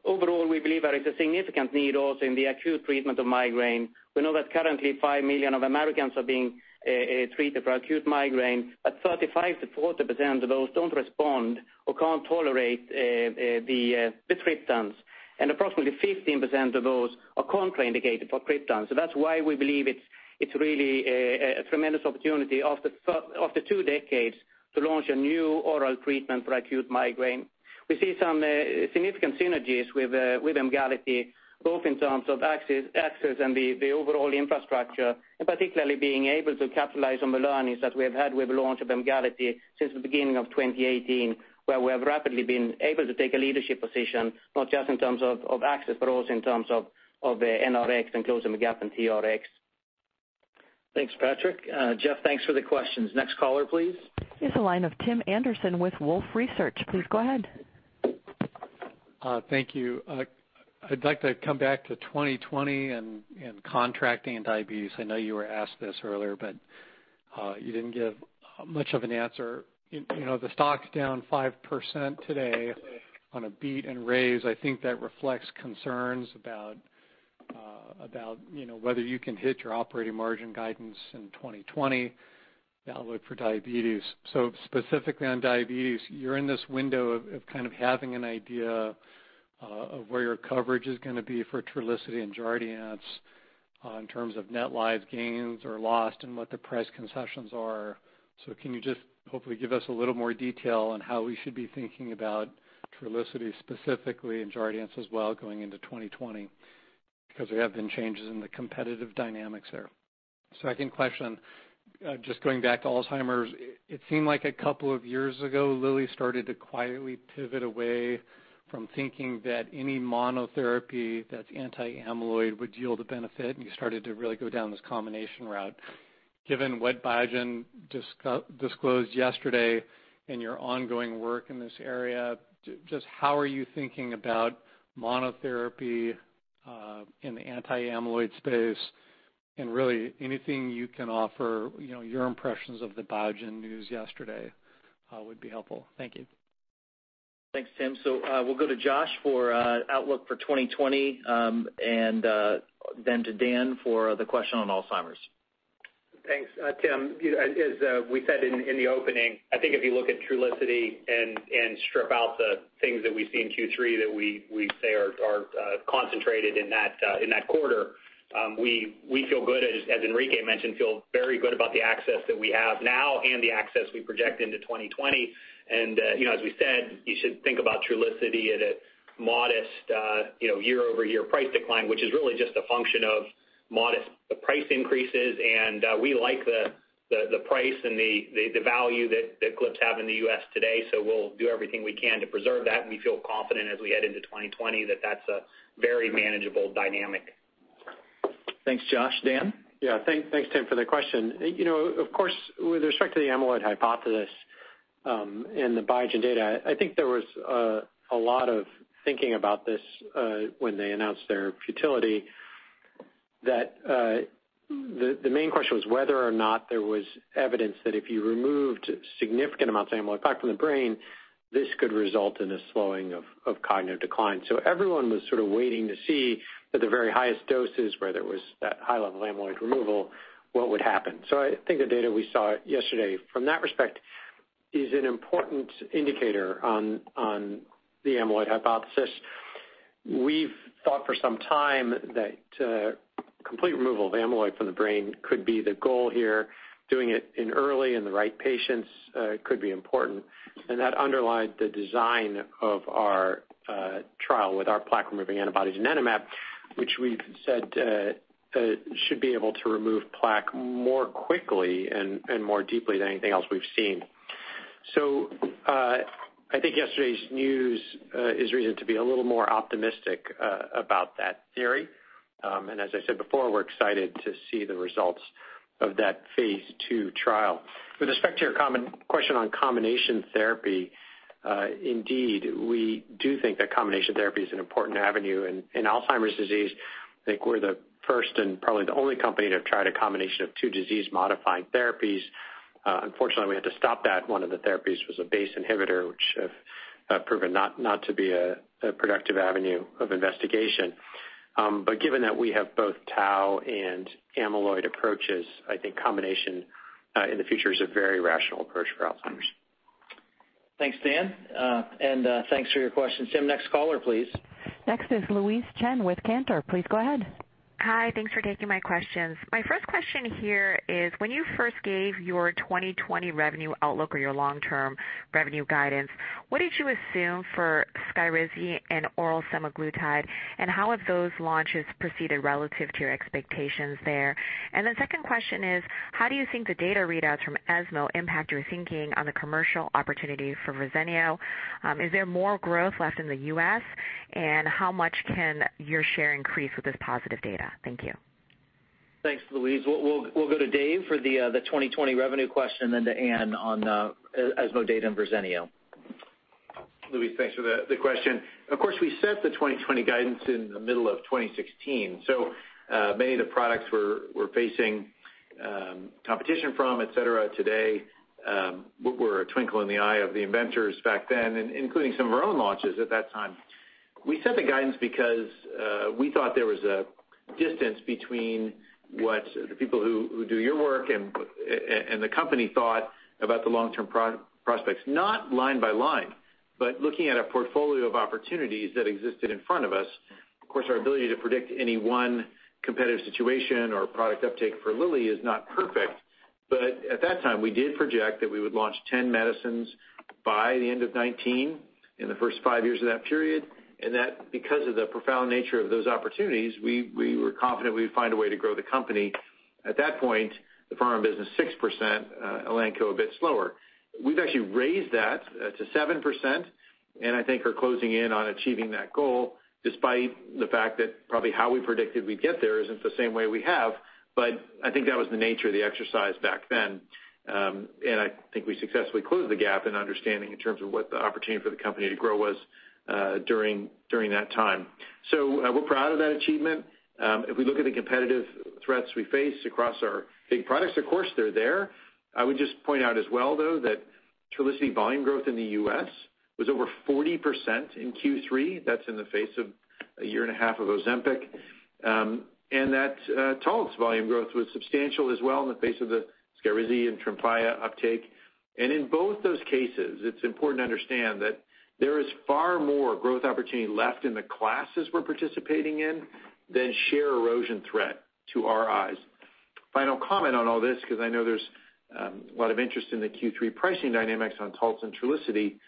Overall, we believe there is a significant need also in the acute treatment of migraine. We know that currently 5 million Americans are being treated for acute migraine, 35%-40% of those don't respond or can't tolerate the triptans. Approximately 15% of those are contraindicated for triptans. That's why we believe it's really a tremendous opportunity after two decades to launch a new oral treatment for acute migraine. We see some significant synergies with Emgality, both in terms of access and the overall infrastructure, and particularly being able to capitalize on the learnings that we have had with the launch of Emgality since the beginning of 2018, where we have rapidly been able to take a leadership position, not just in terms of access, but also in terms of NRx and closing the gap in TRx. Thanks, Patrik. Geoff, thanks for the questions. Next caller, please. Here's a line of Tim Anderson with Wolfe Research. Please go ahead. Thank you. I'd like to come back to 2020 and contracting and diabetes. I know you were asked this earlier, but you didn't give much of an answer. You know, the stock's down 5% today on a beat and raise. I think that reflects concerns about, you know, whether you can hit your operating margin guidance in 2020 outlook for diabetes. Specifically on diabetes, you're in this window of kind of having an idea of where your coverage is gonna be for Trulicity and Jardiance in terms of net lives gained or lost and what the price concessions are. Can you just hopefully give us a little more detail on how we should be thinking about Trulicity specifically and Jardiance as well going into 2020? Because there have been changes in the competitive dynamics there. Second question, just going back to Alzheimer's. It seemed like a couple of years ago, Lilly started to quietly pivot away from thinking that any monotherapy that's anti-amyloid would yield a benefit, and you started to really go down this combination route. Given what Biogen disclosed yesterday in your ongoing work in this area, just how are you thinking about monotherapy in the anti-amyloid space? Really anything you can offer, you know, your impressions of the Biogen news yesterday, would be helpful. Thank you. Thanks, Tim. We'll go to Josh for outlook for 2020, and then to Dan for the question on Alzheimer's. Thanks, Tim. As we said in the opening, I think if you look at Trulicity and strip out the things that we see in Q3 that we say are concentrated in that quarter, we feel good, as Enrique mentioned, feel very good about the access that we have now and the access we project into 2020. You know, as we said, you should think about Trulicity at a modest, you know, year-over-year price decline, which is really just a function of modest price increases. We like the price and the value that GLP-1s have in the U.S. today, so we'll do everything we can to preserve that, and we feel confident as we head into 2020 that that's a very manageable dynamic. Thanks, Josh. Dan? Thanks, Tim, for the question. You know, of course, with respect to the amyloid hypothesis, and the Biogen data, I think there was a lot of thinking about this when they announced their futility, that the main question was whether or not there was evidence that if you removed significant amounts of amyloid plaque from the brain, this could result in a slowing of cognitive decline. Everyone was sort of waiting to see at the very highest doses where there was that high level of amyloid removal, what would happen. I think the data we saw yesterday from that respect is an important indicator on the amyloid hypothesis. We've thought for some time that complete removal of amyloid from the brain could be the goal here. Doing it early in the right patients could be important. That underlined the design of our trial with our plaque-removing antibody donanemab, which we've said should be able to remove plaque more quickly and more deeply than anything else we've seen. I think yesterday's news is reason to be a little more optimistic about that theory. As I said before, we're excited to see the results of that phase II trial. With respect to your question on combination therapy, indeed, we do think that combination therapy is an important avenue in Alzheimer's disease. I think we're the first and probably the only company to have tried a combination of two disease-modifying therapies. Unfortunately, we had to stop that. One of the therapies was a BACE inhibitor, which have proven not to be a productive avenue of investigation. Given that we have both tau and amyloid approaches, I think combination, in the future is a very rational approach for Alzheimer's. Thanks, Dan. Thanks for your question, Tim. Next caller, please. Next is Louise Chen with Cantor. Please go ahead. Hi. Thanks for taking my questions. My first question here is, when you first gave your 2020 revenue outlook or your long-term revenue guidance, what did you assume for SKYRIZI and oral semaglutide, and how have those launches proceeded relative to your expectations there? The second question is, how do you think the data readouts from ESMO impact your thinking on the commercial opportunity for Verzenio? Is there more growth left in the U.S., and how much can your share increase with this positive data? Thank you. Thanks, Louise. We'll go to David for the 2020 revenue question, and then to Anne on ESMO data and Verzenio. Louise, thanks for the question. Of course, we set the 2020 guidance in the middle of 2016, many of the products we're facing competition from, et cetera today, were a twinkle in the eye of the inventors back then, including some of our own launches at that time. We set the guidance because we thought there was a distance between what the people who do your work and the company thought about the long-term prospects, not line by line, but looking at a portfolio of opportunities that existed in front of us. Of course, our ability to predict any one competitive situation or product uptake for Lilly is not perfect. At that time, we did project that we would launch 10 medicines by the end of 2019 in the first five years of that period, and that because of the profound nature of those opportunities, we were confident we would find a way to grow the company. At that point, the pharma business 6%, Elanco a bit slower. We've actually raised that to 7%, and I think are closing in on achieving that goal despite the fact that probably how we predicted we'd get there isn't the same way we have. I think that was the nature of the exercise back then. I think we successfully closed the gap in understanding in terms of what the opportunity for the company to grow was during that time. We're proud of that achievement. If we look at the competitive threats we face across our big products, of course, they're there. I would just point out as well, though, that Trulicity volume growth in the U.S. was over 40% in Q3. That's in the face of a year and a half of Ozempic. That Taltz volume growth was substantial as well in the face of the SKYRIZI and Tremfya uptake. In both those cases, it's important to understand that there is far more growth opportunity left in the classes we're participating in than share erosion threat to our eyes. Final comment on all this, 'cause I know there's a lot of interest in the Q3 pricing dynamics on Taltz and Trulicity.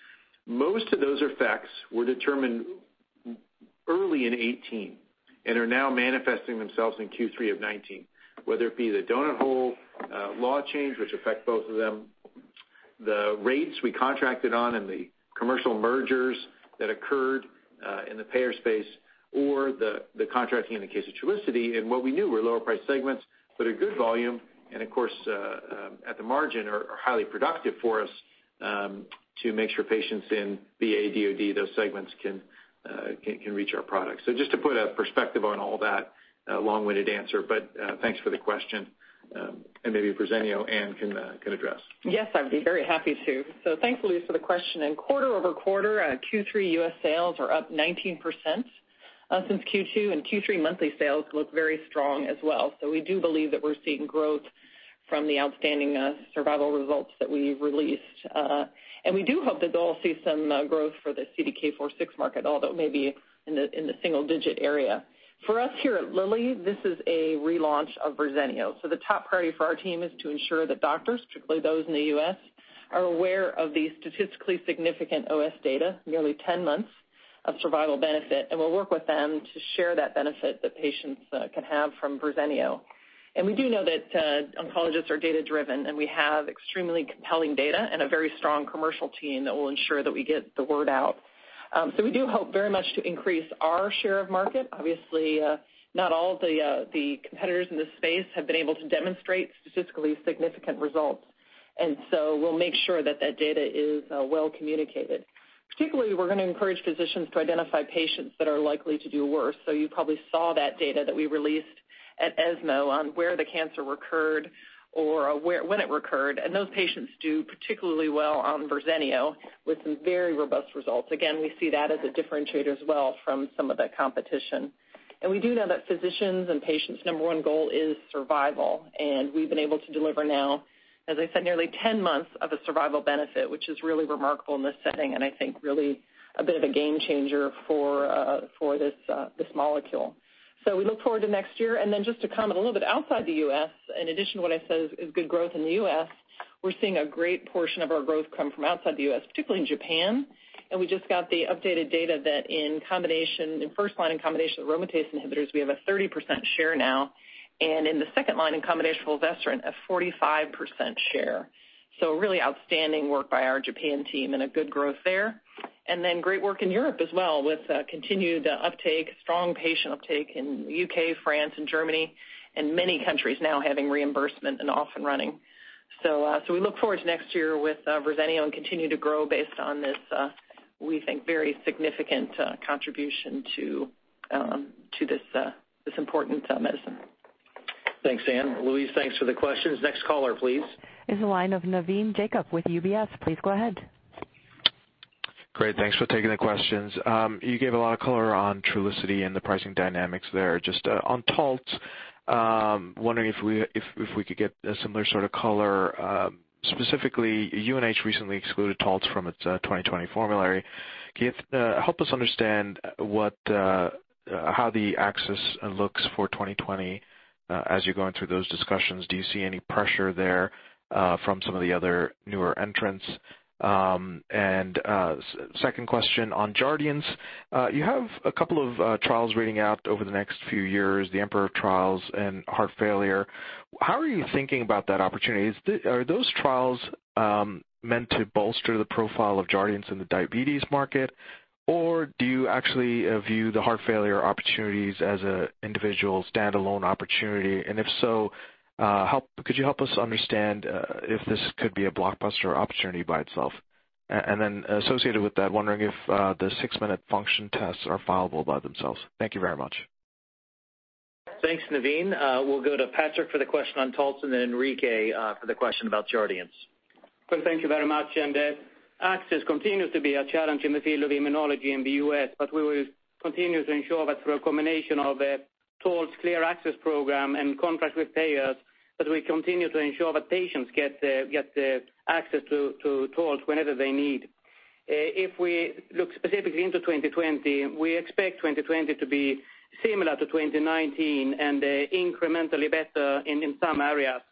Most of those effects were determined early in 2018 and are now manifesting themselves in Q3 of 2019, whether it be the donut hole law change, which affect both of them, the rates we contracted on and the commercial mergers that occurred in the payer space or the contracting in the case of Trulicity and what we knew were lower price segments, but a good volume and of course, at the margin are highly productive for us, to make sure patients in VA, DOD, those segments can reach our products. Just to put a perspective on all that, long-winded answer, but thanks for the question. And maybe Verzenio, Anne can address. Yes, I'd be very happy to. Thanks, Louise, for the question. Quarter-over-quarter, Q3 U.S. sales are up 19% since Q2, and Q3 monthly sales look very strong as well. We do believe that we're seeing growth from the outstanding survival results that we released. We do hope that they'll see some growth for the CDK4/6 market, although it may be in the single-digit area. For us here at Lilly, this is a relaunch of Verzenio. The top priority for our team is to ensure that doctors, particularly those in the U.S., are aware of the statistically significant OS data, nearly 10 months of survival benefit, and we'll work with them to share that benefit that patients can have from Verzenio. We do know that oncologists are data-driven, and we have extremely compelling data and a very strong commercial team that will ensure that we get the word out. We do hope very much to increase our share of market. Obviously, not all the competitors in this space have been able to demonstrate statistically significant results. We'll make sure that that data is well communicated. Particularly, we're gonna encourage physicians to identify patients that are likely to do worse. You probably saw that data that we released at ESMO on where the cancer recurred or when it recurred, and those patients do particularly well on Verzenio with some very robust results. Again, we see that as a differentiator as well from some of the competition. We do know that physicians' and patients' number one goal is survival, and we've been able to deliver now, as I said, nearly 10 months of a survival benefit, which is really remarkable in this setting, and I think really a bit of a game changer for this molecule. We look forward to next year. Just to comment a little bit outside the U.S., in addition to what I said is good growth in the U.S., we're seeing a great portion of our growth come from outside the U.S., particularly in Japan. We just got the updated data that in combination, in first line in combination with aromatase inhibitors, we have a 30% share now. In the second line in combination with Faslodex, a 45% share. Really outstanding work by our Japan team and a good growth there. Great work in Europe as well with continued uptake, strong patient uptake in U.K., France, and Germany, and many countries now having reimbursement and off and running. We look forward to next year with Verzenio and continue to grow based on this, we think very significant contribution to this important medicine. Thanks, Anne. Louise, thanks for the questions. Next caller, please. Is the line of Navin Jacob with UBS. Please go ahead. Great. Thanks for taking the questions. You gave a lot of color on Trulicity and the pricing dynamics there. Just on Taltz, wondering if we could get a similar sort of color, specifically, UnitedHealthcare recently excluded Taltz from its 2020 formulary. Can you help us understand what how the access looks for 2020 as you're going through those discussions? Do you see any pressure there from some of the other newer entrants? Second question on Jardiance. You have a couple of trials reading out over the next few years, the EMPEROR trials and heart failure. How are you thinking about that opportunity? Are those trials meant to bolster the profile of Jardiance in the diabetes market, or do you actually view the heart failure opportunities as an individual standalone opportunity? If so, could you help us understand if this could be a blockbuster opportunity by itself? Associated with that, wondering if the six-minute function tests are fileable by themselves. Thank you very much. Thanks, Navin. We'll go to Patrik for the question on Taltz and then Enrique for the question about Jardiance. Well, thank you very much. Access continues to be a challenge in the field of immunology in the U.S., we will continue to ensure that through a combination of Taltz clear access program and contract with payers, that we continue to ensure that patients get access to Taltz whenever they need. If we look specifically into 2020, we expect 2020 to be similar to 2019 and incrementally better in some areas.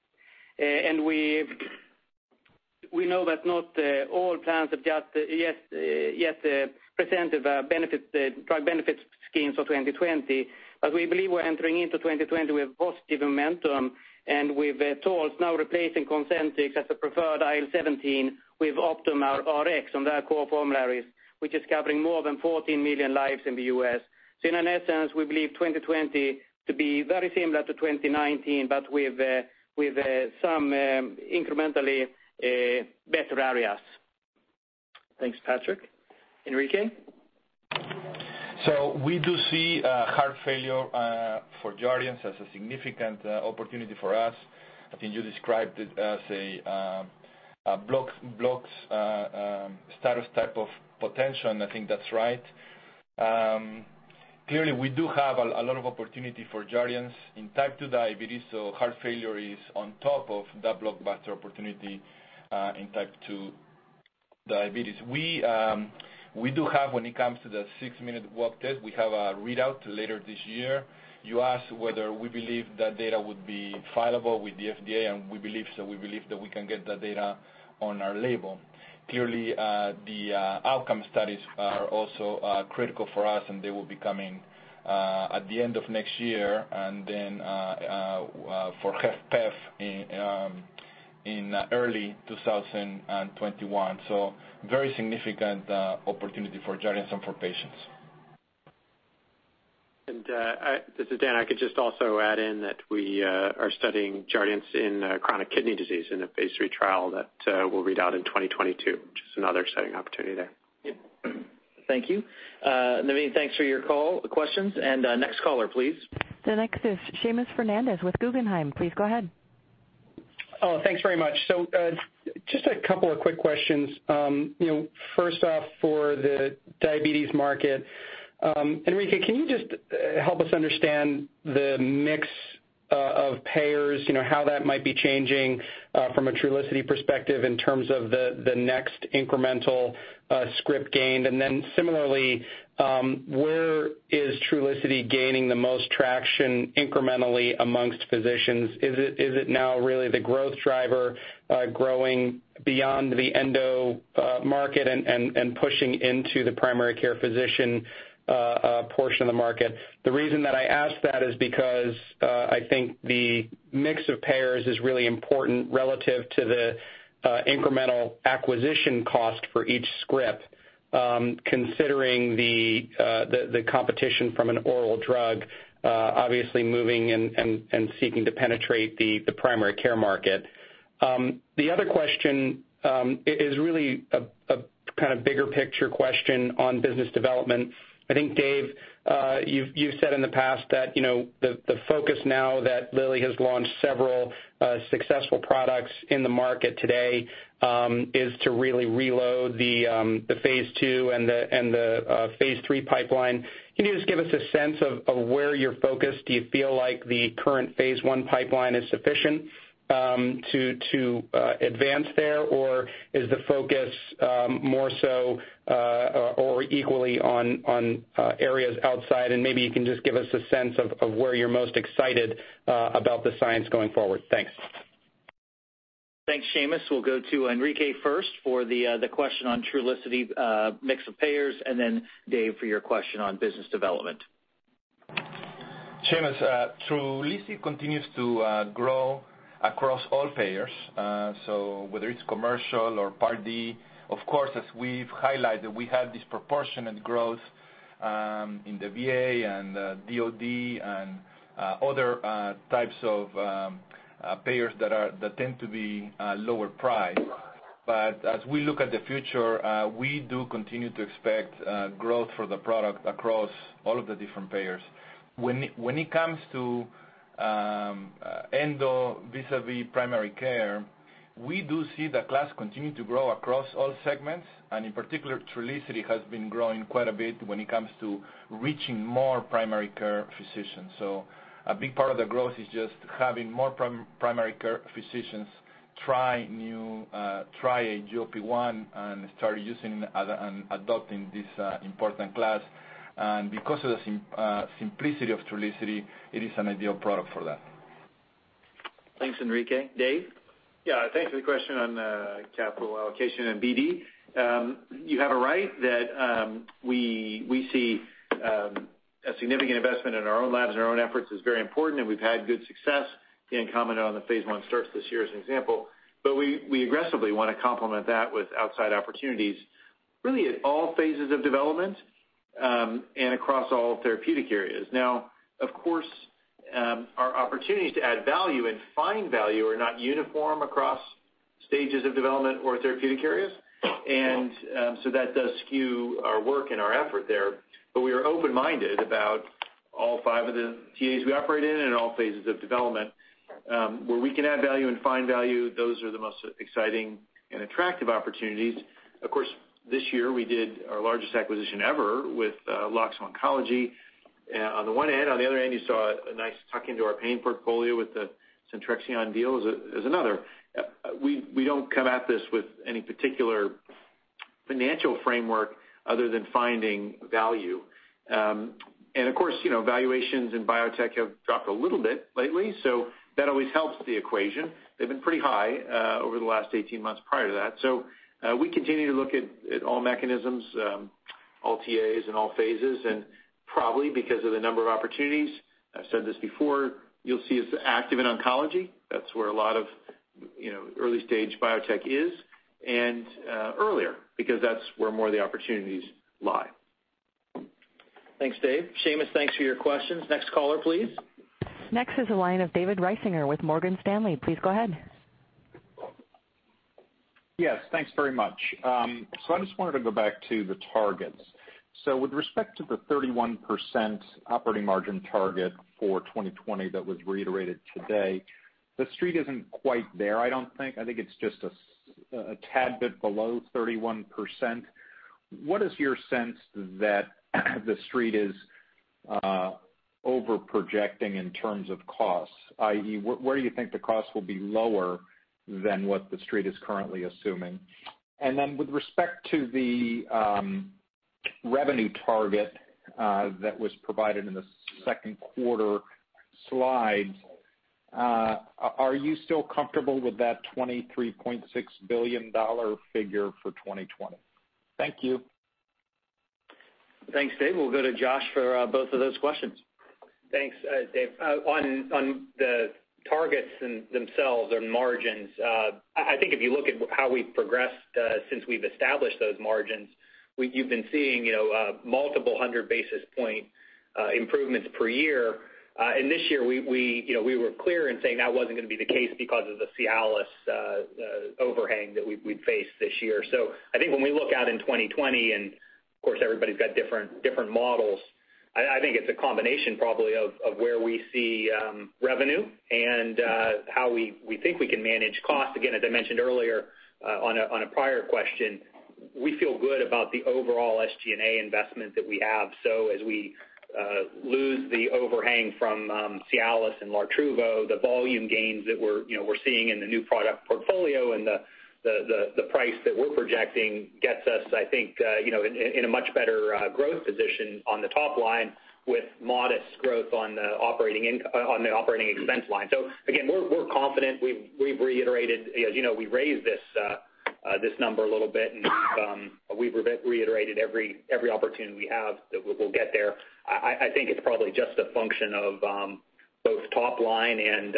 We know that not all plans have just yet presented drug benefit schemes for 2020. We believe we're entering into 2020 with positive momentum and with Taltz now replacing COSENTYX as the preferred IL-17 with OptumRx on their core formularies, which is covering more than 14 million lives in the U.S. In essence, we believe 2020 to be very similar to 2019, but with some incrementally better areas. Thanks, Patrik. Enrique? We do see heart failure for Jardiance as a significant opportunity for us. I think you described it as a blockbuster status type of potential, and I think that's right. Clearly, we do have a lot of opportunity for Jardiance in type 2 diabetes, so heart failure is on top of that blockbuster opportunity in type 2 diabetes. We do have when it comes to the six-minute walk test, we have a readout later this year. You asked whether we believe that data would be fileable with the FDA, and we believe so. We believe that we can get that data on our label. Clearly, the outcome studies are also critical for us, and they will be coming at the end of next year and then for HFpEF in early 2021. Very significant opportunity for Jardiance and for patients. This is Daniel Skovronsky. I could just also add in that we are studying Jardiance in chronic kidney disease in a phase III trial that will read out in 2022, which is another exciting opportunity there. Thank you. Navin, thanks for your call, questions. Next caller, please. The next is Seamus Fernandez with Guggenheim. Please go ahead. Thanks very much. Just a couple of quick questions. You know, first off, for the diabetes market, Enrique, can you just help us understand the mix of payers? You know, how that might be changing from a Trulicity perspective in terms of the next incremental script gained. Similarly, where is Trulicity gaining the most traction incrementally amongst physicians? Is it now really the growth driver, growing beyond the endo market and pushing into the primary care physician portion of the market? The reason that I ask that is because I think the mix of payers is really important relative to the incremental acquisition cost for each script, considering the competition from an oral drug, obviously moving and seeking to penetrate the primary care market. The other question is really a kind of bigger picture question on business development. I think, Dave, you've said in the past that, you know, the focus now that Lilly has launched several successful products in the market today, is to really reload the phase II and the phase III pipeline. Can you just give us a sense of where you're focused? Do you feel like the current phase I pipeline is sufficient to advance there? Is the focus more so or equally on areas outside? Maybe you can just give us a sense of where you're most excited about the science going forward. Thanks. Thanks, Seamus. We'll go to Enrique first for the question on Trulicity, mix of payers, and then Dave for your question on business development. Seamus, Trulicity continues to grow across all payers. Whether it's commercial or Part D, of course, as we've highlighted, we have disproportionate growth in the VA and DOD and other types of payers that tend to be lower priced. As we look at the future, we do continue to expect growth for the product across all of the different payers. When it comes to endo vis-à-vis primary care, we do see the class continue to grow across all segments, and in particular, Trulicity has been growing quite a bit when it comes to reaching more primary care physicians. A big part of the growth is just having more primary care physicians try new, try a GLP-1 and start using and adopting this important class. Because of the simplicity of Trulicity, it is an ideal product for that. Thanks, Enrique. Dave? Yeah. Thanks for the question on capital allocation and BD. You have it right that we see a significant investment in our own labs and our own efforts is very important, and we've had good success. Dan commented on the phase I starts this year as an example. We aggressively want to complement that with outside opportunities, really at all phases of development, and across all therapeutic areas. Now, of course, our opportunities to add value and find value are not uniform across stages of development or therapeutic areas. That does skew our work and our effort there. We are open-minded about all five of the TAs we operate in and all phases of development. Where we can add value and find value, those are the most exciting and attractive opportunities. Of course, this year, we did our largest acquisition ever with Loxo Oncology. Yeah, on the one hand, on the other hand, you saw a nice tuck into our pain portfolio with the Centrexion deal is another. We don't come at this with any particular financial framework other than finding value. Of course, you know, valuations in biotech have dropped a little bit lately, so that always helps the equation. They've been pretty high over the last 18 months prior to that. We continue to look at all mechanisms, all TAs and all phases, and probably because of the number of opportunities, I've said this before, you'll see us active in oncology. That's where a lot of, you know, early-stage biotech is, earlier because that's where more of the opportunities lie. Thanks, Dave. Seamus, thanks for your questions. Next caller, please. Next is the line of David Risinger with Morgan Stanley. Please go ahead. Yes, thanks very much. I just wanted to go back to the targets. With respect to the 31% operating margin target for 2020 that was reiterated today, the Street isn't quite there, I don't think. I think it's just a tad bit below 31%. What is your sense that the Street is over-projecting in terms of costs, i.e., where do you think the costs will be lower than what the Street is currently assuming? Then with respect to the revenue target that was provided in the second quarter slide, are you still comfortable with that $23.6 billion figure for 2020? Thank you. Thanks, Dave. We'll go to Josh for both of those questions. Thanks, Dave. On the targets themselves or margins, I think if you look at how we've progressed since we've established those margins, you've been seeing, you know, multiple hundred basis point improvements per year. This year we, you know, we were clear in saying that wasn't gonna be the case because of the Cialis overhang that we'd face this year. I think when we look out in 2020, and of course, everybody's got different models, I think it's a combination probably of where we see revenue and how we think we can manage cost. Again, as I mentioned earlier, on a prior question, we feel good about the overall SG&A investment that we have. As we lose the overhang from Cialis and Lartruvo, the volume gains that we're, you know, we're seeing in the new product portfolio and the price that we're projecting gets us, I think, you know, in a much better growth position on the top line with modest growth on the operating expense line. Again, we're confident. We've reiterated, as you know, we raised this number a little bit, and we've reiterated every opportunity we have that we'll get there. I think it's probably just a function of both top line and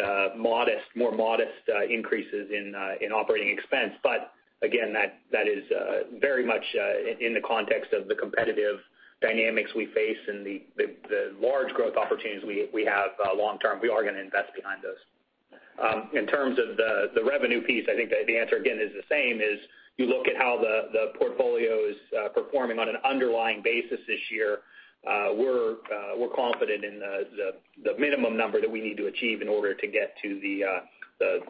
more modest increases in operating expense. Again, that is very much in the context of the competitive dynamics we face and the large growth opportunities we have long term. We are gonna invest behind those. In terms of the revenue piece, I think the answer again is the same, is you look at how the portfolio is performing on an underlying basis this year. We're confident in the minimum number that we need to achieve in order to get to the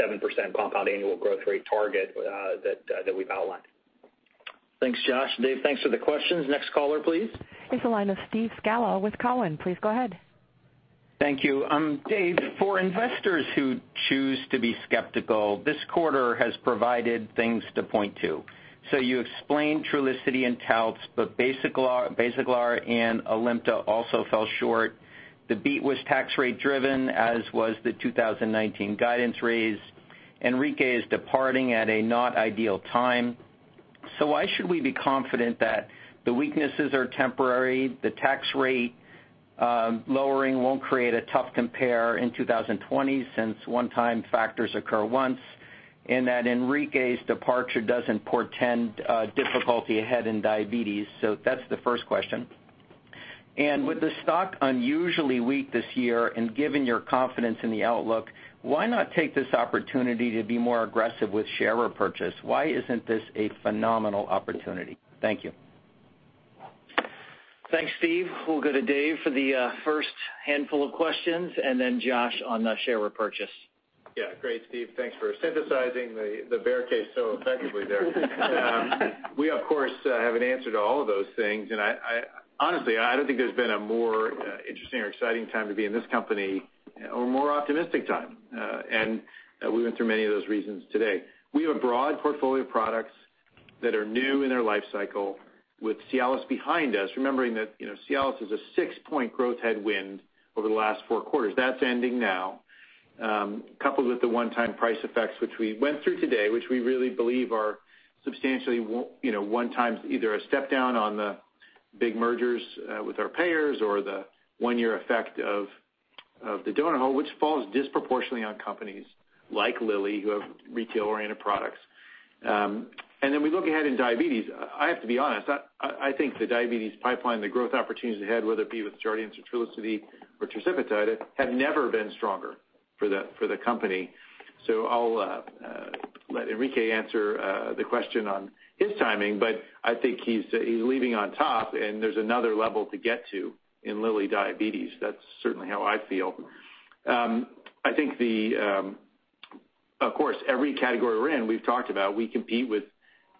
7% compound annual growth rate target that we've outlined. Thanks, Josh. Dave, thanks for the questions. Next caller, please. Here's a line of Steve Scala with Cowen. Please go ahead. Thank you. Dave, for investors who choose to be skeptical, this quarter has provided things to point to. You explained Trulicity and Taltz, but Basaglar and ALIMTA also fell short. The beat was tax rate driven, as was the 2019 guidance raise. Enrique is departing at a not ideal time. Why should we be confident that the weaknesses are temporary, the tax rate lowering won't create a tough compare in 2020 since one-time factors occur once, and that Enrique's departure doesn't portend difficulty ahead in diabetes? That's the first question. With the stock unusually weak this year and given your confidence in the outlook, why not take this opportunity to be more aggressive with share repurchase? Why isn't this a phenomenal opportunity? Thank you. Thanks, Steve. We'll go to Dave for the first handful of questions and then Josh on the share repurchase. Yeah. Great, Steve. Thanks for synthesizing the bear case so effectively there. We of course have an answer to all of those things, and honestly, I don't think there's been a more interesting or exciting time to be in this company or a more optimistic time. We went through many of those reasons today. We have a broad portfolio of products that are new in their life cycle with Cialis behind us, remembering that, you know, Cialis is a six-point growth headwind over the last four quarters. That's ending now. Coupled with the one-time price effects which we went through today, which we really believe are substantially you know, one-time, either a step down on the big mergers with our payers or the one-year effect of the donut hole, which falls disproportionately on companies like Lilly, who have retail-oriented products. We look ahead in diabetes. I have to be honest, I think the diabetes pipeline, the growth opportunities ahead, whether it be with Jardiance or Trulicity or tirzepatide, have never been stronger for the company. I'll let Enrique answer the question on his timing, but I think he's leaving on top and there's another level to get to in Lilly Diabetes. That's certainly how I feel. I think the, of course, every category we're in, we've talked about, we compete with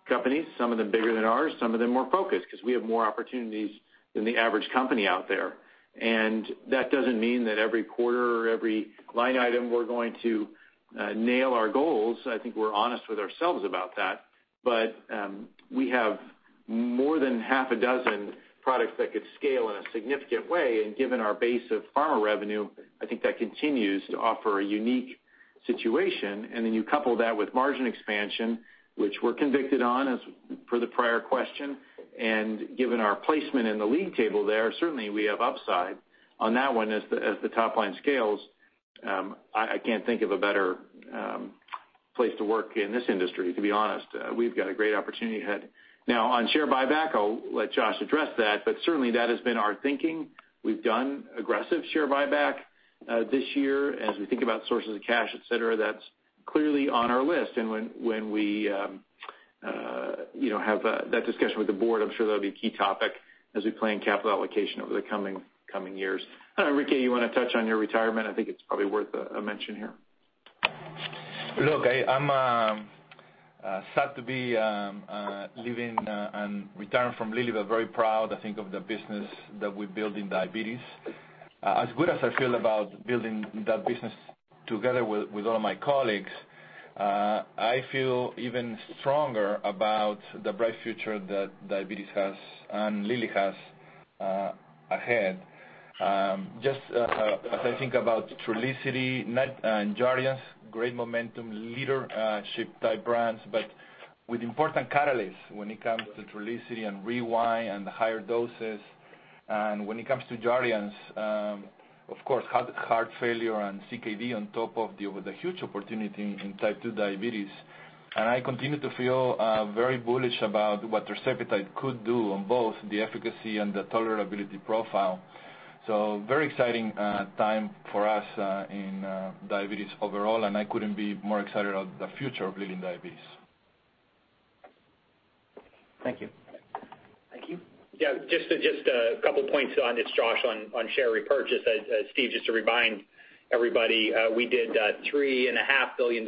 companies, some of them bigger than ours, some of them more focused because we have more opportunities than the average company out there. That doesn't mean that every quarter or every line item, we're going to nail our goals. I think we're honest with ourselves about that. We have more than half a dozen products that could scale in a significant way. Given our base of pharma revenue, I think that continues to offer a unique situation. Then you couple that with margin expansion, which we're convicted on as per the prior question, and given our placement in the league table there, certainly we have upside on that one as the, as the top line scales. I can't think of a better place to work in this industry, to be honest. We've got a great opportunity ahead. On share buyback, I'll let Josh address that, but certainly that has been our thinking. We've done aggressive share buyback this year. As we think about sources of cash, et cetera, that's clearly on our list. When we, you know, have that discussion with the board, I'm sure that'll be a key topic as we plan capital allocation over the coming years. I don't know, Enrique, you wanna touch on your retirement? I think it's probably worth a mention here. Look, I'm sad to be leaving and retiring from Lilly, but very proud, I think, of the business that we built in diabetes. As good as I feel about building that business together with all my colleagues, I feel even stronger about the bright future that diabetes has and Lilly has ahead. Just as I think about Trulicity and Jardiance, great momentum, leadership type brands, but with important catalysts when it comes to Trulicity and RYBELSUS and the higher doses. When it comes to Jardiance, of course, heart failure and CKD on top of the huge opportunity in type 2 diabetes. I continue to feel very bullish about what tirzepatide could do on both the efficacy and the tolerability profile. Very exciting time for us in diabetes overall, and I couldn't be more excited about the future of Lilly Diabetes. Thank you. Thank you. Yeah, just a couple points on, it's Josh, on share repurchase. As Steve, just to remind everybody, we did $3.5 billion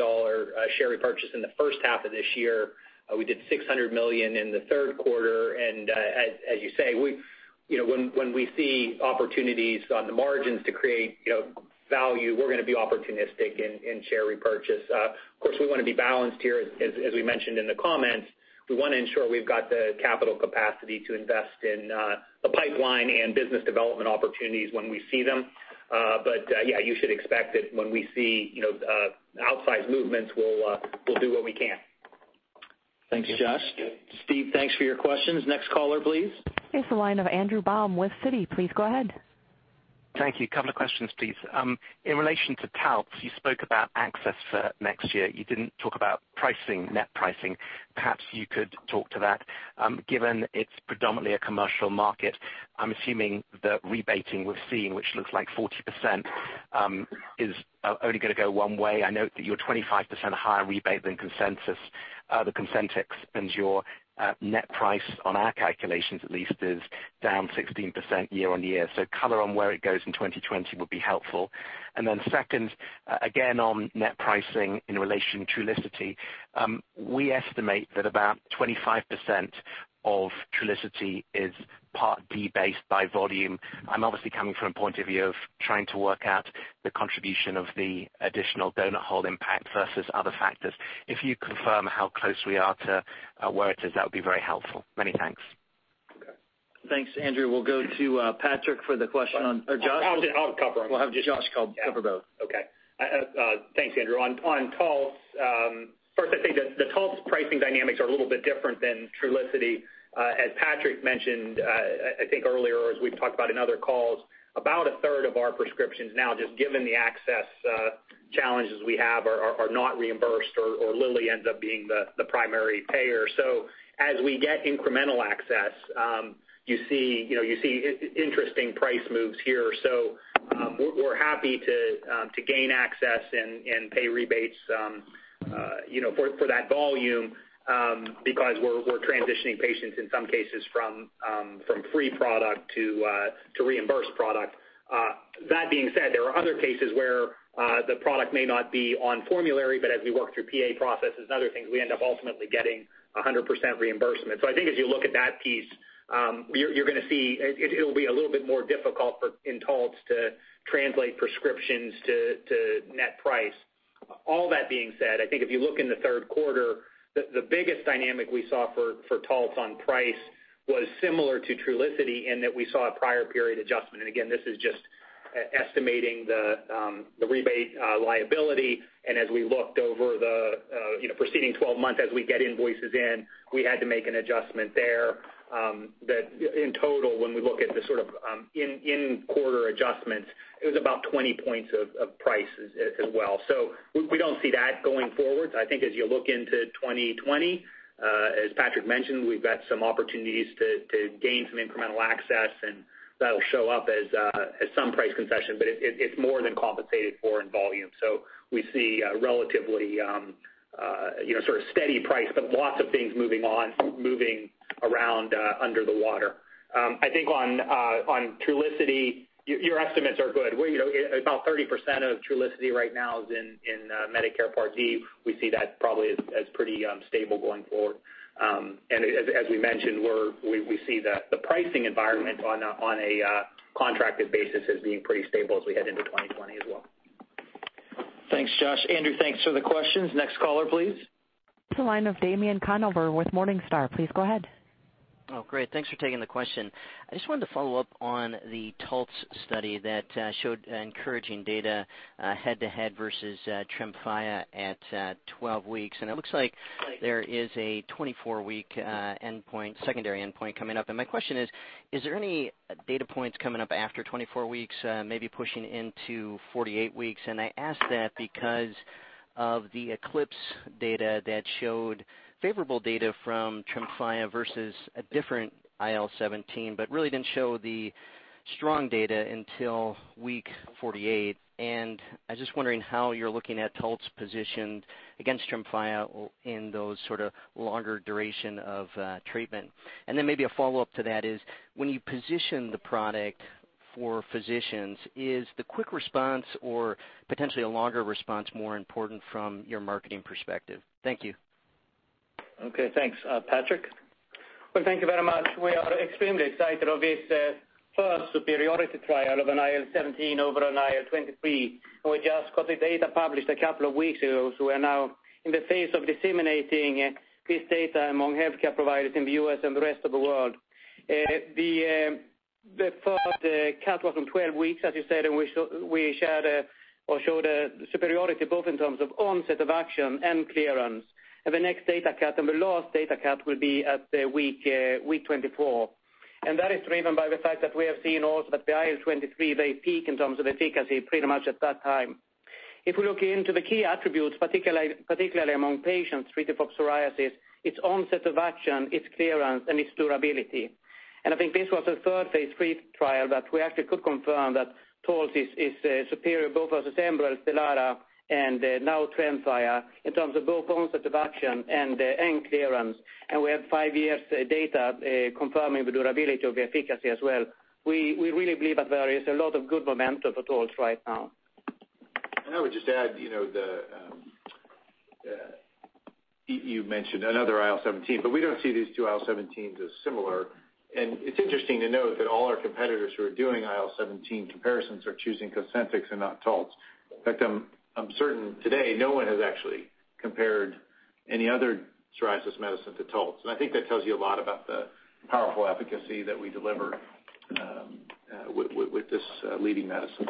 share repurchase in the first half of this year. We did $600 million in the third quarter. As you say, you know, when we see opportunities on the margins to create, you know, value, we're gonna be opportunistic in share repurchase. Of course, we wanna be balanced here, as we mentioned in the comments. We wanna ensure we've got the capital capacity to invest in the pipeline and business development opportunities when we see them. Yeah, you should expect that when we see, you know, outsized movements, we'll do what we can. Thanks, Josh. Steve, thanks for your questions. Next caller, please. It's the line of Andrew Baum with Citi. Please go ahead. Thank you. Couple of questions, please. In relation to Taltz, you spoke about access for next year. You didn't talk about pricing, net pricing. Perhaps you could talk to that. Given it's predominantly a commercial market, I'm assuming the rebating we're seeing, which looks like 40%, is only gonna go one way. I note that you're 25% higher rebate than consensus, the COSENTYX and your net price on our calculations at least is down 16% year-on-year. Color on where it goes in 2020 would be helpful. Second, again, on net pricing in relation to Trulicity, we estimate that about 25% of Trulicity is Part D based by volume. I'm obviously coming from a point of view of trying to work out the contribution of the additional donut hole impact versus other factors. If you confirm how close we are to where it is, that would be very helpful. Many thanks. Okay. Thanks, Andrew. We'll go to Patrik for the question on Or Joshua. I'll cover them. We'll have Joshua cover both. Thanks, Andrew. On Taltz, first I think the Taltz pricing dynamics are a little bit different than Trulicity. As Patrik mentioned, I think earlier as we've talked about in other calls, about 1/3 of our prescriptions now, just given the access challenges we have are not reimbursed or Lilly ends up being the primary payer. As we get incremental access, you see, you know, interesting price moves here. We're happy to gain access and pay rebates, you know, for that volume, because we're transitioning patients in some cases from free product to reimbursed product. That being said, there are other cases where the product may not be on formulary, but as we work through PA processes and other things, we end up ultimately getting 100% reimbursement. I think as you look at that piece, you're gonna see It'll be a little bit more difficult in Taltz to translate prescriptions to net price. All that being said, I think if you look in the third quarter, the biggest dynamic we saw for Taltz on price was similar to Trulicity in that we saw a prior period adjustment. Again, this is just estimating the rebate liability. As we looked over the, you know, preceding 12 months as we get invoices in, we had to make an adjustment there, that in total, when we look at the sort of in quarter adjustments, it was about 20 points of price as well. We don't see that going forward. I think as you look into 2020, as Patrik mentioned, we've got some opportunities to gain some incremental access, and that'll show up as some price concession, but it's more than compensated for in volume. We see relatively You know, sort of steady price, but lots of things moving on, moving around under the water. I think on Trulicity, your estimates are good. You know, about 30% of Trulicity right now is in Medicare Part D. We see that probably as pretty stable going forward. As we mentioned, we see the pricing environment on a contracted basis as being pretty stable as we head into 2020 as well. Thanks, Josh. Andrew, thanks for the questions. Next caller, please. The line of Damien Conover with Morningstar. Please go ahead. Great. Thanks for taking the question. I just wanted to follow up on the Taltz study that showed encouraging data head-to-head versus Tremfya at 12 weeks. It looks like there is a 24-week endpoint, secondary endpoint coming up. My question is there any data points coming up after 24 weeks, maybe pushing into 48 weeks? I ask that because of the ECLIPSE data that showed favorable data from Tremfya versus a different IL-17, but really didn't show the strong data until week 48. I was just wondering how you're looking at Taltz positioned against Tremfya in those sort of longer duration of treatment. Maybe a follow-up to that is, when you position the product for physicians, is the quick response or potentially a longer response more important from your marketing perspective? Thank you. Okay, thanks. Patrik? Well, thank you very much. We are extremely excited of this first superiority trial of an IL-17 over an IL-23. We just got the data published a couple of weeks ago, so we're now in the phase of disseminating this data among healthcare providers in the U.S. and the rest of the world. The first cut was from 12 weeks, as you said, we shared a or showed a superiority both in terms of onset of action and clearance. The next data cut and the last data cut will be at week 24. That is driven by the fact that we have seen also that the IL-23, they peak in terms of efficacy pretty much at that time. If we look into the key attributes, particularly among patients treated for psoriasis, its onset of action, its clearance, and its durability. I think this was a third phase III trial that we actually could confirm that Taltz is superior, both STELARA and now Tremfya, in terms of both onset of action and clearance. We have five years data confirming the durability of the efficacy as well. We really believe that there is a lot of good momentum for Taltz right now. I would just add, you know, the, you mentioned another IL-17, but we don't see these two IL-17s as similar. It's interesting to note that all our competitors who are doing IL-17 comparisons are choosing COSENTYX and not Taltz. In fact, I'm certain today no one has actually compared any other psoriasis medicine to Taltz. I think that tells you a lot about the powerful efficacy that we deliver with this leading medicine.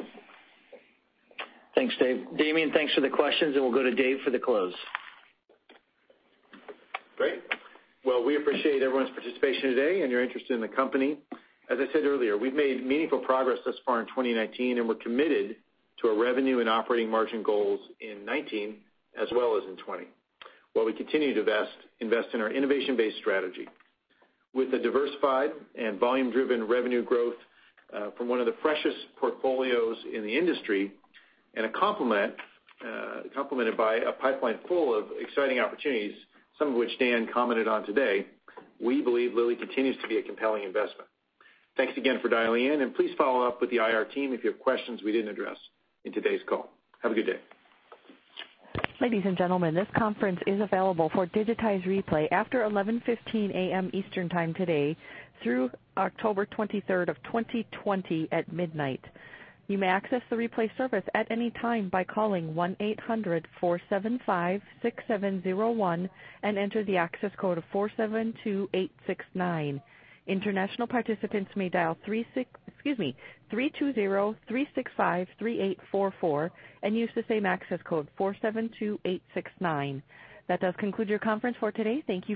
Thanks, Dave. Damien, thanks for the questions. We'll go to Dave for the close. Great. Well, we appreciate everyone's participation today and your interest in the company. As I said earlier, we've made meaningful progress thus far in 2019, and we're committed to our revenue and operating margin goals in 19 as well as in 20, while we continue to invest in our innovation-based strategy. With the diversified and volume-driven revenue growth, from one of the freshest portfolios in the industry, and a complement, complemented by a pipeline full of exciting opportunities, some of which Dan commented on today, we believe Lilly continues to be a compelling investment. Thanks again for dialing in, and please follow up with the IR team if you have questions we didn't address in today's call. Have a good day. Ladies and gentlemen, this conference is available for digitized replay after 11: 15AM Eastern Time today through October 23rd of 2020 at midnight. You may access the replay service at any time by calling 18004756701 and enter the access code of 472869. International participants may dial 36 Excuse me, 3203653844 and use the same access code, 472869. That does conclude your conference for today. Thank you.